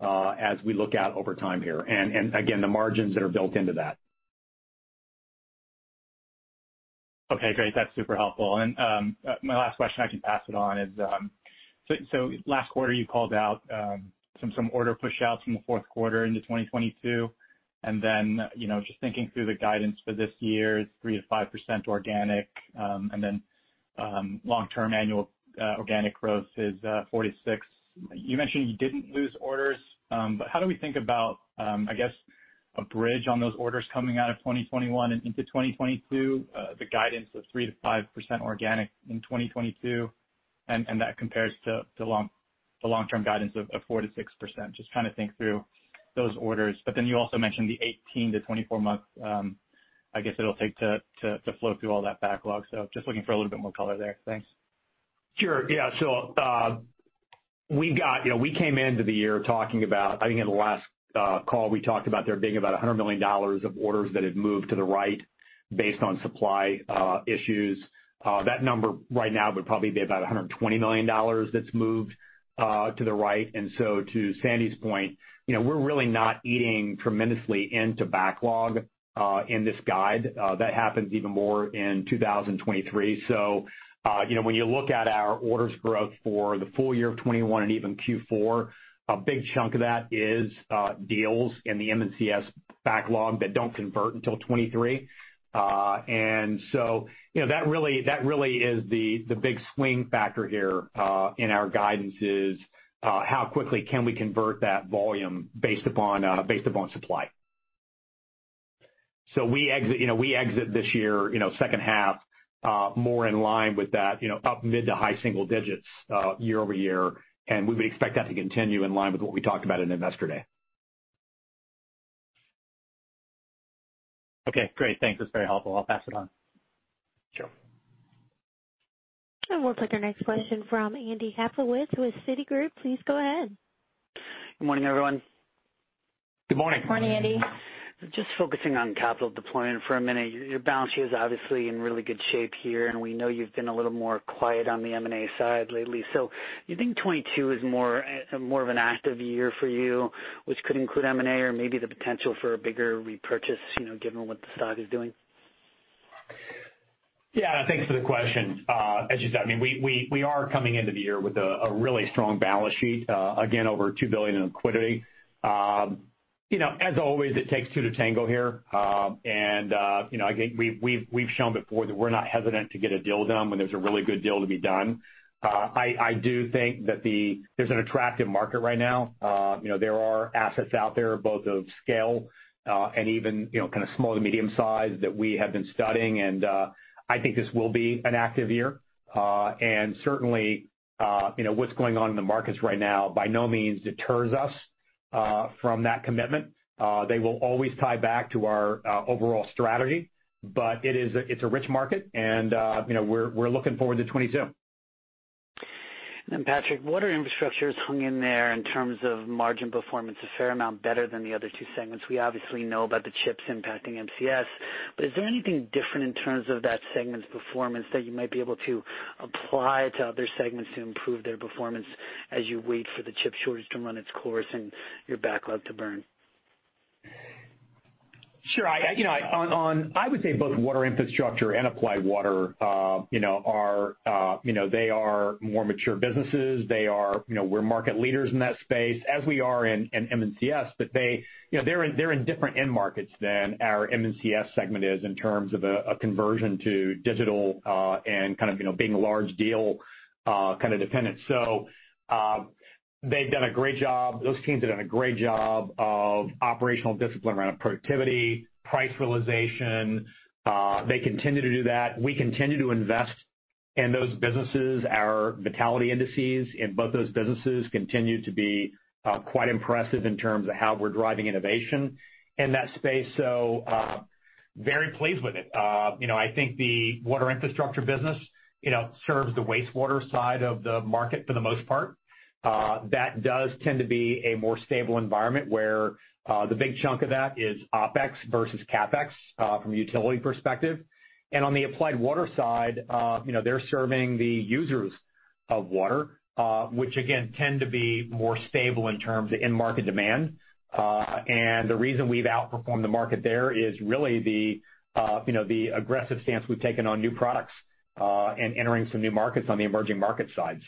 C: as we look out over time here and again, the margins that are built into that.
I: Okay, great. That's super helpful. My last question, I can pass it on, is so last quarter, you called out some order pushouts from the fourth quarter into 2022, and then, you know, just thinking through the guidance for this year, 3%-5% organic, and then long-term annual organic growth is 4%-6%. You mentioned you didn't lose orders, but how do we think about, I guess, a bridge on those orders coming out of 2021 and into 2022, the guidance of 3%-5% organic in 2022, and that compares to the long-term guidance of 4%-6%? Just kind of think through those orders. You also mentioned the 18- to 24-month, I guess, it'll take to flow through all that backlog. Just looking for a little bit more color there. Thanks.
C: You know, we came into the year talking about, I think in the last call, we talked about there being about $100 million of orders that had moved to the right based on supply issues. That number right now would probably be about $120 million that's moved to the right. To Sandy's point, you know, we're really not eating tremendously into backlog in this guide. That happens even more in 2023. You know, when you look at our orders growth for the full year of 2021 and even Q4, a big chunk of that is deals in the M&CS backlog that don't convert until 2023. You know, that really is the big swing factor here in our guidance is how quickly can we convert that volume based upon supply. We exit this year, you know, second half more in line with that, you know, up mid- to high-single digits year-over-year, and we would expect that to continue in line with what we talked about in Investor Day.
I: Okay, great. Thanks. That's very helpful. I'll pass it on.
C: Sure.
A: We'll take our next question from Andy Kaplowitz with Citigroup. Please go ahead.
J: Good morning, everyone.
C: Good morning.
D: Good morning, Andy.
J: Just focusing on capital deployment for a minute. Your balance sheet is obviously in really good shape here, and we know you've been a little more quiet on the M&A side lately. Do you think 2022 is more of an active year for you, which could include M&A or maybe the potential for a bigger repurchase, you know, given what the stock is doing?
C: Yeah. Thanks for the question. As you said, I mean, we are coming into the year with a really strong balance sheet, again, over $2 billion in liquidity. You know, as always, it takes two to tango here. You know, I think we've shown before that we're not hesitant to get a deal done when there's a really good deal to be done. I do think that there's an attractive market right now. You know, there are assets out there both of scale, and even, you know, kind of small to medium-sized that we have been studying. I think this will be an active year. Certainly, you know, what's going on in the markets right now by no means deters us from that commitment. They will always tie back to our overall strategy. It is a rich market and we're looking forward to 2022.
J: Patrick, Water Infrastructure has hung in there in terms of margin performance, a fair amount better than the other two segments. We obviously know about the chips impacting MCS, but is there anything different in terms of that segment's performance that you might be able to apply to other segments to improve their performance as you wait for the chip shortage to run its course and your backlog to burn?
C: Sure. You know, I would say both Water Infrastructure and Applied Water, you know, they are more mature businesses. We're market leaders in that space as we are in M&CS, but they're in different end markets than our M&CS segment is in terms of a conversion to digital and being a large deal kind of dependent. They've done a great job. Those teams have done a great job of operational discipline around productivity, price realization. They continue to do that. We continue to invest in those businesses. Our Vitality Index in both those businesses continue to be quite impressive in terms of how we're driving innovation in that space. Very pleased with it. You know, I think the Water Infrastructure business, you know, serves the wastewater side of the market for the most part. That does tend to be a more stable environment where the big chunk of that is OpEx versus CapEx from a utility perspective. On the Applied Water side, you know, they're serving the users of water, which again tend to be more stable in terms of end market demand. The reason we've outperformed the market there is really the you know, the aggressive stance we've taken on new products and entering some new markets on the emerging market side.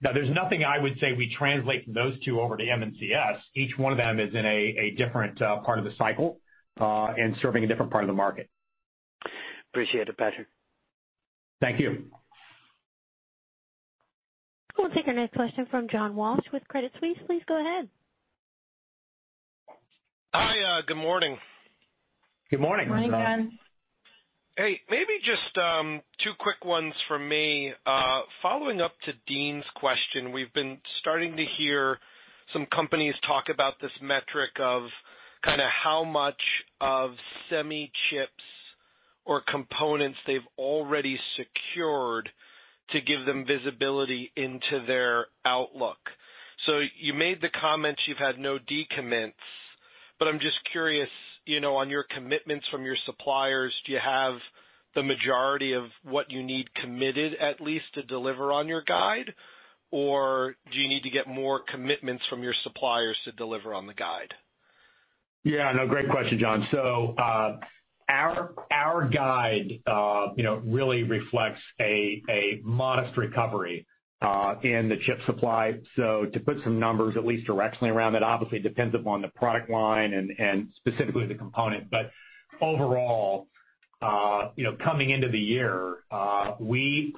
C: Now there's nothing I would say we translate from those two over to M&CS. Each one of them is in a different part of the cycle and serving a different part of the market.
J: Appreciate it, Patrick.
C: Thank you.
A: We'll take our next question from John Walsh with Credit Suisse. Please go ahead.
K: Hi. Good morning.
C: Good morning.
D: Morning, John.
K: Hey, maybe just two quick ones from me. Following up to Deane's question, we've been starting to hear some companies talk about this metric of kind of how much of semi chips or components they've already secured to give them visibility into their outlook. You made the comments you've had no decommits, but I'm just curious, you know, on your commitments from your suppliers, do you have the majority of what you need committed at least to deliver on your guide? Or do you need to get more commitments from your suppliers to deliver on the guide?
C: Yeah, no, great question, John. Our guide, you know, really reflects a modest recovery in the chip supply. To put some numbers at least directionally around it, obviously depends upon the product line and specifically the component. Overall, you know, coming into the year, we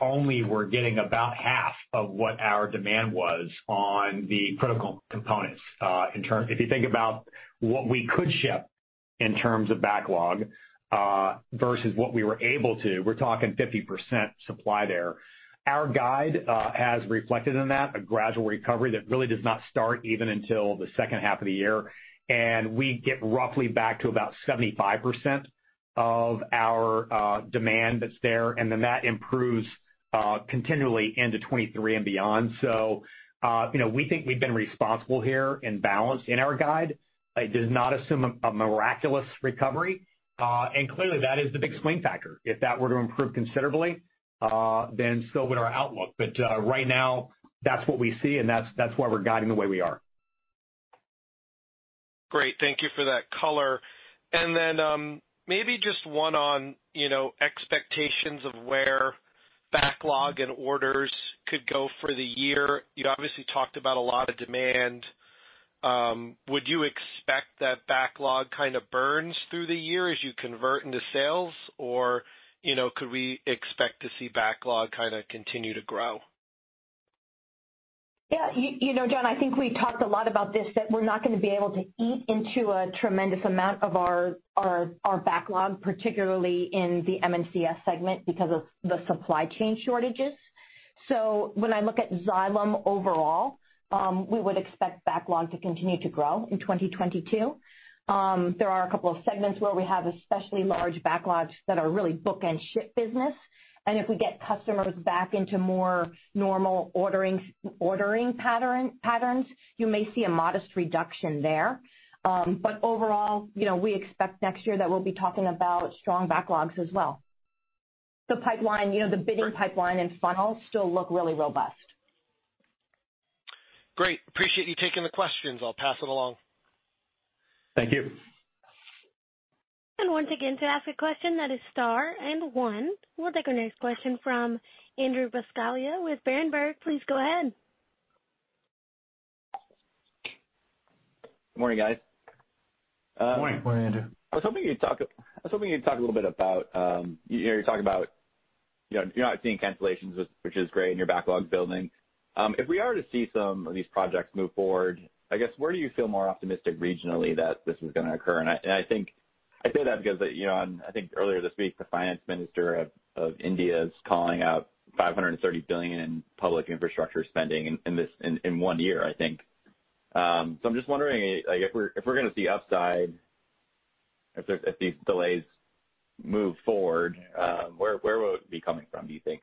C: only were getting about half of what our demand was on the critical components, if you think about what we could ship in terms of backlog versus what we were able to, we're talking 50% supply there. Our guide has reflected in that a gradual recovery that really does not start even until the second half of the year, and we get roughly back to about 75% of our demand that's there, and then that improves continually into 2023 and beyond. You know, we think we've been responsible here and balanced in our guide. It does not assume a miraculous recovery, and clearly that is the big swing factor. If that were to improve considerably, then so would our outlook. Right now, that's what we see, and that's why we're guiding the way we are.
K: Great. Thank you for that color. Maybe just one on, you know, expectations of where backlog and orders could go for the year. You obviously talked about a lot of demand. Would you expect that backlog kind of burns through the year as you convert into sales? Or, you know, could we expect to see backlog kind of continue to grow?
D: Yeah. You know, John, I think we talked a lot about this, that we're not going to be able to eat into a tremendous amount of our backlog, particularly in the M&CS segment because of the supply chain shortages. When I look at Xylem overall, we would expect backlog to continue to grow in 2022. There are a couple of segments where we have especially large backlogs that are really book and ship business. If we get customers back into more normal ordering patterns, you may see a modest reduction there. Overall, you know, we expect next year that we'll be talking about strong backlogs as well. The pipeline, you know, the bidding pipeline and funnels still look really robust.
K: Great. I appreciate you taking the questions. I'll pass it along.
C: Thank you.
A: Once again, to ask a question, press star and one. We'll take our next question from Andrew Buscaglia with Berenberg. Please go ahead.
L: Good morning, guys.
D: Good morning. Morning, Andrew.
L: I was hoping you'd talk a little bit about, you know, you're talking about, you know, you're not seeing cancellations, which is great and your backlog's building. If we are to see some of these projects move forward, I guess, where do you feel more optimistic regionally that this is gonna occur? I think I say that because, you know, I think earlier this week, the finance minister of India is calling out $530 billion in public infrastructure spending in this one year, I think. I'm just wondering, like, if we're going to see upside if these delays move forward, where will it be coming from, do you think?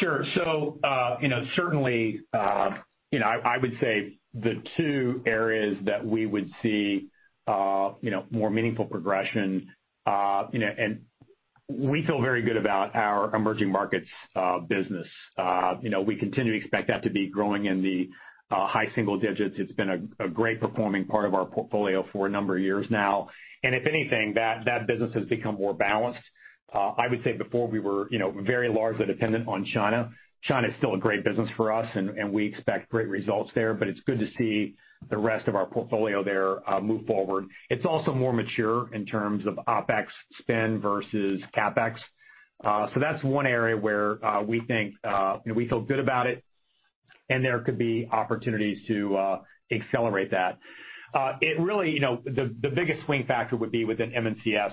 C: Sure. Certainly, you know, I would say the two areas that we would see, you know, more meaningful progression, you know, and we feel very good about our emerging markets business. You know, we continue to expect that to be growing in the high single digits. It's been a great performing part of our portfolio for a number of years now. If anything, that business has become more balanced. I would say before we were, you know, very largely dependent on China. China is still a great business for us and we expect great results there, but it's good to see the rest of our portfolio there move forward. It's also more mature in terms of OpEx spend versus CapEx. That's one area where we think you know we feel good about it, and there could be opportunities to accelerate that. It really you know the biggest swing factor would be within M&CS,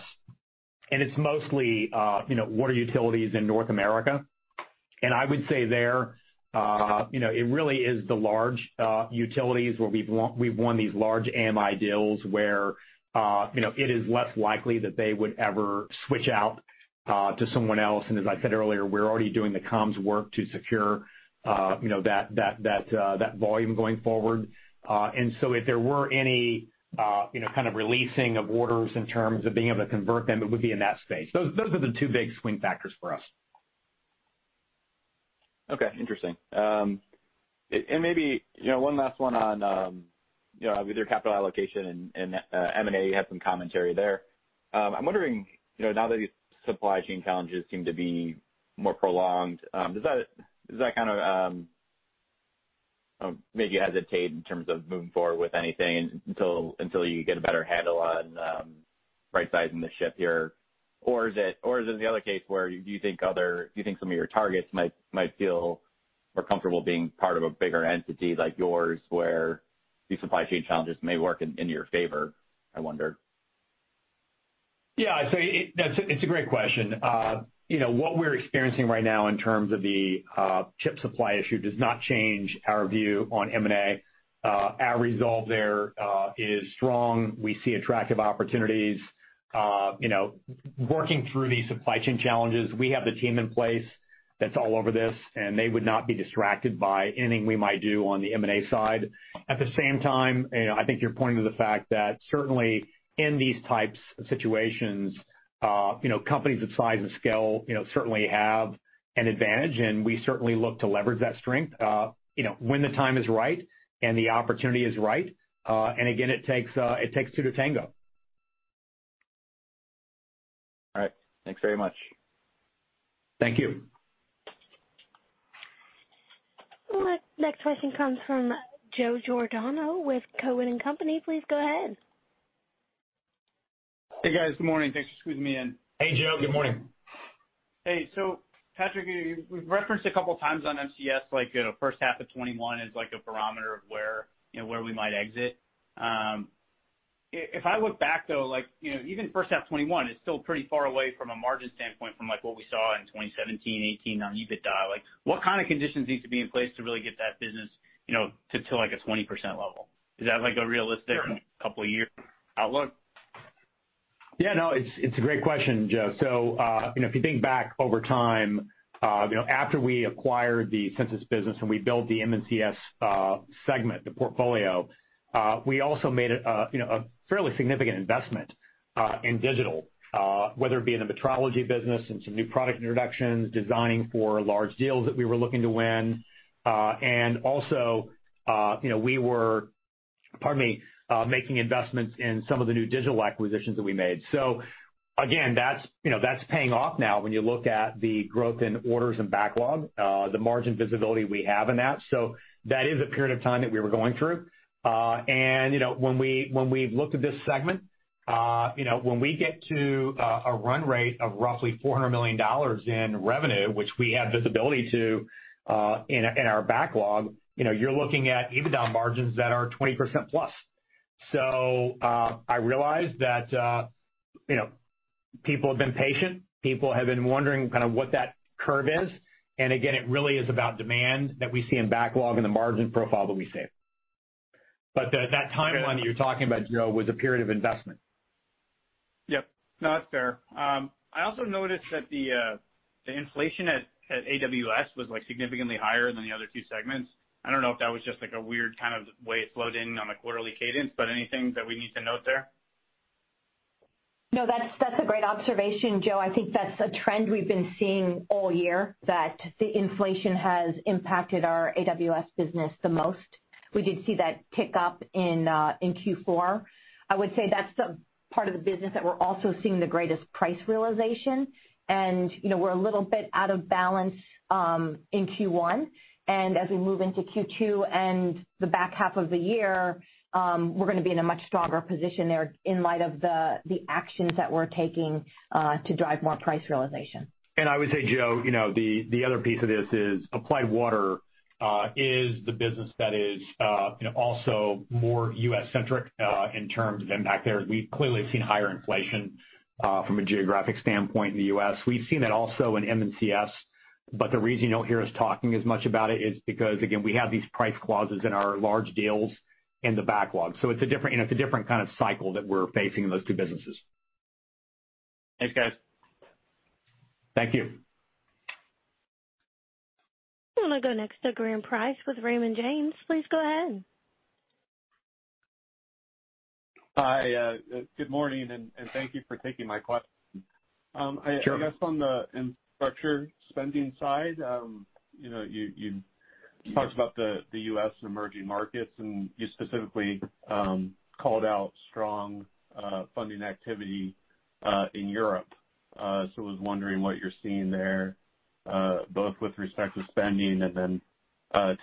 C: and it's mostly you know water utilities in North America. I would say there you know it really is the large utilities where we've won these large AMI deals where you know it is less likely that they would ever switch out to someone else. As I said earlier, we're already doing the comms work to secure you know that volume going forward. If there were any you know kind of releasing of orders in terms of being able to convert them, it would be in that space. Those are the two big swing factors for us.
L: Okay, interesting. Maybe, you know, one last one on, you know, with your capital allocation and M&A, you had some commentary there. I'm wondering, you know, now that these supply chain challenges seem to be more prolonged, does that kind of make you hesitate in terms of moving forward with anything until you get a better handle on right-sizing the ship here? Or is it the other case where you think, do you think some of your targets might feel more comfortable being part of a bigger entity like yours where these supply chain challenges may work in your favor, I wonder?
C: It's a great question. You know, what we're experiencing right now in terms of the chip supply issue does not change our view on M&A. Our resolve there is strong. We see attractive opportunities. You know, working through these supply chain challenges, we have the team in place that's all over this, and they would not be distracted by anything we might do on the M&A side. At the same time, you know, I think you're pointing to the fact that certainly in these types of situations, you know, companies of size and scale, you know, certainly have an advantage, and we certainly look to leverage that strength, you know, when the time is right and the opportunity is right. And again, it takes two to tango.
L: All right. Thanks very much.
C: Thank you.
A: Our next question comes from Joe Giordano with Cowen and Company. Please go ahead.
M: Hey, guys. Good morning. Thanks for squeezing me in.
C: Hey, Joe. Good morning.
M: Hey. Patrick, you've referenced a couple of times on MCS, like, you know, first half of 2021 is like a barometer of where, you know, where we might exit. If I look back, though, like, you know, even first half 2021 is still pretty far away from a margin standpoint from, like, what we saw in 2017, 2018 on EBITDA. Like, what kind of conditions need to be in place to really get that business, you know, to, like, a 20% level? Is that, like, a realistic couple year outlook?
C: Yeah, no, it's a great question, Joe. You know, if you think back over time, you know, after we acquired the Sensus business and we built the M&CS segment, the portfolio, we also made a, you know, a fairly significant investment in digital, whether it be in the metrology business and some new product introductions, designing for large deals that we were looking to win. And also, you know, we were, pardon me, making investments in some of the new digital acquisitions that we made. Again, that's, you know, that's paying off now when you look at the growth in orders and backlog, the margin visibility we have in that. That is a period of time that we were going through. You know, when we've looked at this segment, you know, when we get to a run rate of roughly $400 million in revenue, which we have visibility to in our backlog, you know, you're looking at EBITDA margins that are 20%+. I realize that, you know, people have been patient, people have been wondering kind of what that curve is. Again, it really is about demand that we see in backlog and the margin profile that we see. That timeline that you're talking about, Joe, was a period of investment.
M: Yep. No, that's fair. I also noticed that the inflation at AWS was like significantly higher than the other two segments. I don't know if that was just like a weird kind of way it flowed in on a quarterly cadence, but anything that we need to note there?
D: No, that's a great observation, Joe. I think that's a trend we've been seeing all year, that the inflation has impacted our AWS business the most. We did see that tick up in Q4. I would say that's the part of the business that we're also seeing the greatest price realization. You know, we're a little bit out of balance in Q1. As we move into Q2 and the back half of the year, we're gonna be in a much stronger position there in light of the actions that we're taking to drive more price realization.
C: I would say, Joe, you know, the other piece of this is Applied Water is the business that is you know also more U.S.-centric in terms of impact there. We've clearly seen higher inflation from a geographic standpoint in the U.S. We've seen that also in MCS, but the reason you don't hear us talking as much about it is because, again, we have these price clauses in our large deals in the backlog. It's a different kind of cycle that we're facing in those two businesses.
M: Thanks, guys.
C: Thank you.
A: I'm going to go next to Graham Price with Raymond James. Please go ahead.
N: Hi, good morning, and thank you for taking my question.
C: Sure.
N: I guess on the infrastructure spending side, you know, you talked about the U.S. and emerging markets, and you specifically called out strong funding activity in Europe. I was wondering what you're seeing there, both with respect to spending and then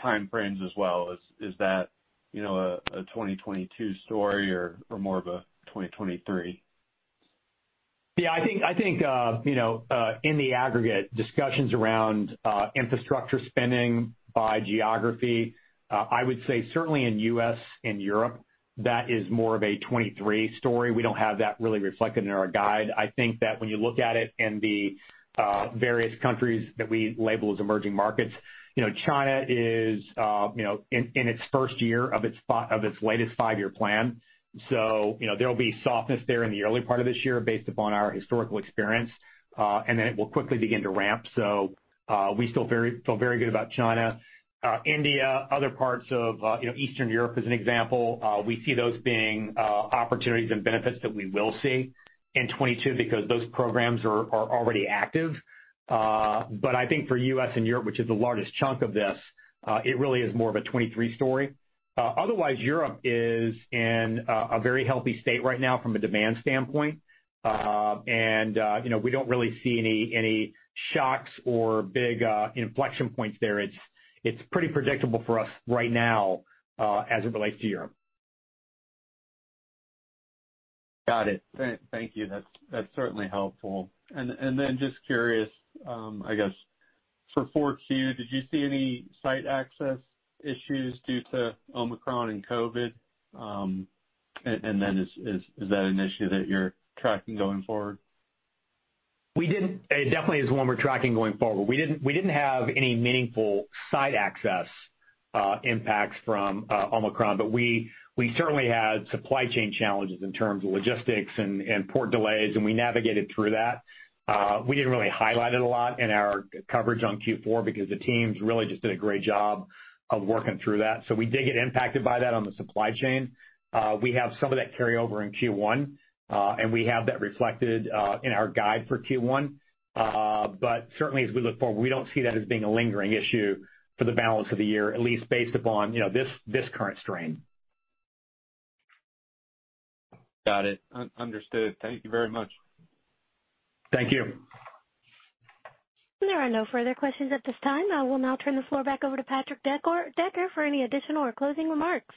N: time frames as well. Is that, you know, a 2022 story or more of a 2023?
C: Yeah, I think you know, in the aggregate discussions around infrastructure spending by geography, I would say certainly in U.S. and Europe, that is more of a 2023 story. We don't have that really reflected in our guide. I think that when you look at it in the various countries that we label as emerging markets, you know, China is in its first year of its latest five-year plan. We still feel very good about China. India, other parts of, you know, Eastern Europe as an example, we see those being opportunities and benefits that we will see in 2022 because those programs are already active. But I think for U.S. and Europe, which is the largest chunk of this, it really is more of a 2023 story. Otherwise, Europe is in a very healthy state right now from a demand standpoint. You know, we don't really see any shocks or big inflection points there. It's pretty predictable for us right now as it relates to Europe.
N: Got it. Thank you. That's certainly helpful. Just curious, I guess for 4Q, did you see any site access issues due to Omicron and COVID? Is that an issue that you're tracking going forward?
C: It definitely is one we're tracking going forward. We didn't have any meaningful site access impacts from Omicron, but we certainly had supply chain challenges in terms of logistics and port delays, and we navigated through that. We didn't really highlight it a lot in our coverage on Q4 because the teams really just did a great job of working through that. We did get impacted by that on the supply chain. We have some of that carryover in Q1, and we have that reflected in our guide for Q1. Certainly as we look forward, we don't see that as being a lingering issue for the balance of the year, at least based upon you know, this current strain.
N: Got it. Understood. Thank you very much.
C: Thank you.
A: There are no further questions at this time. I will now turn the floor back over to Patrick Decker for any additional or closing remarks.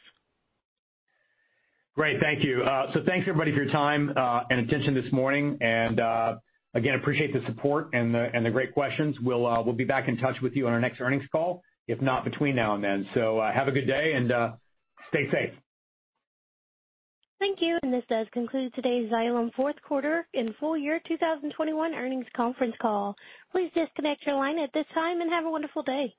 C: Great. Thank you. Thanks everybody for your time and attention this morning. Again, I appreciate the support and the great questions. We'll be back in touch with you on our next earnings call, if not between now and then. Have a good day and stay safe.
A: Thank you. This does conclude today's Xylem fourth quarter and full year 2021 earnings conference call. Please disconnect your line at this time and have a wonderful day.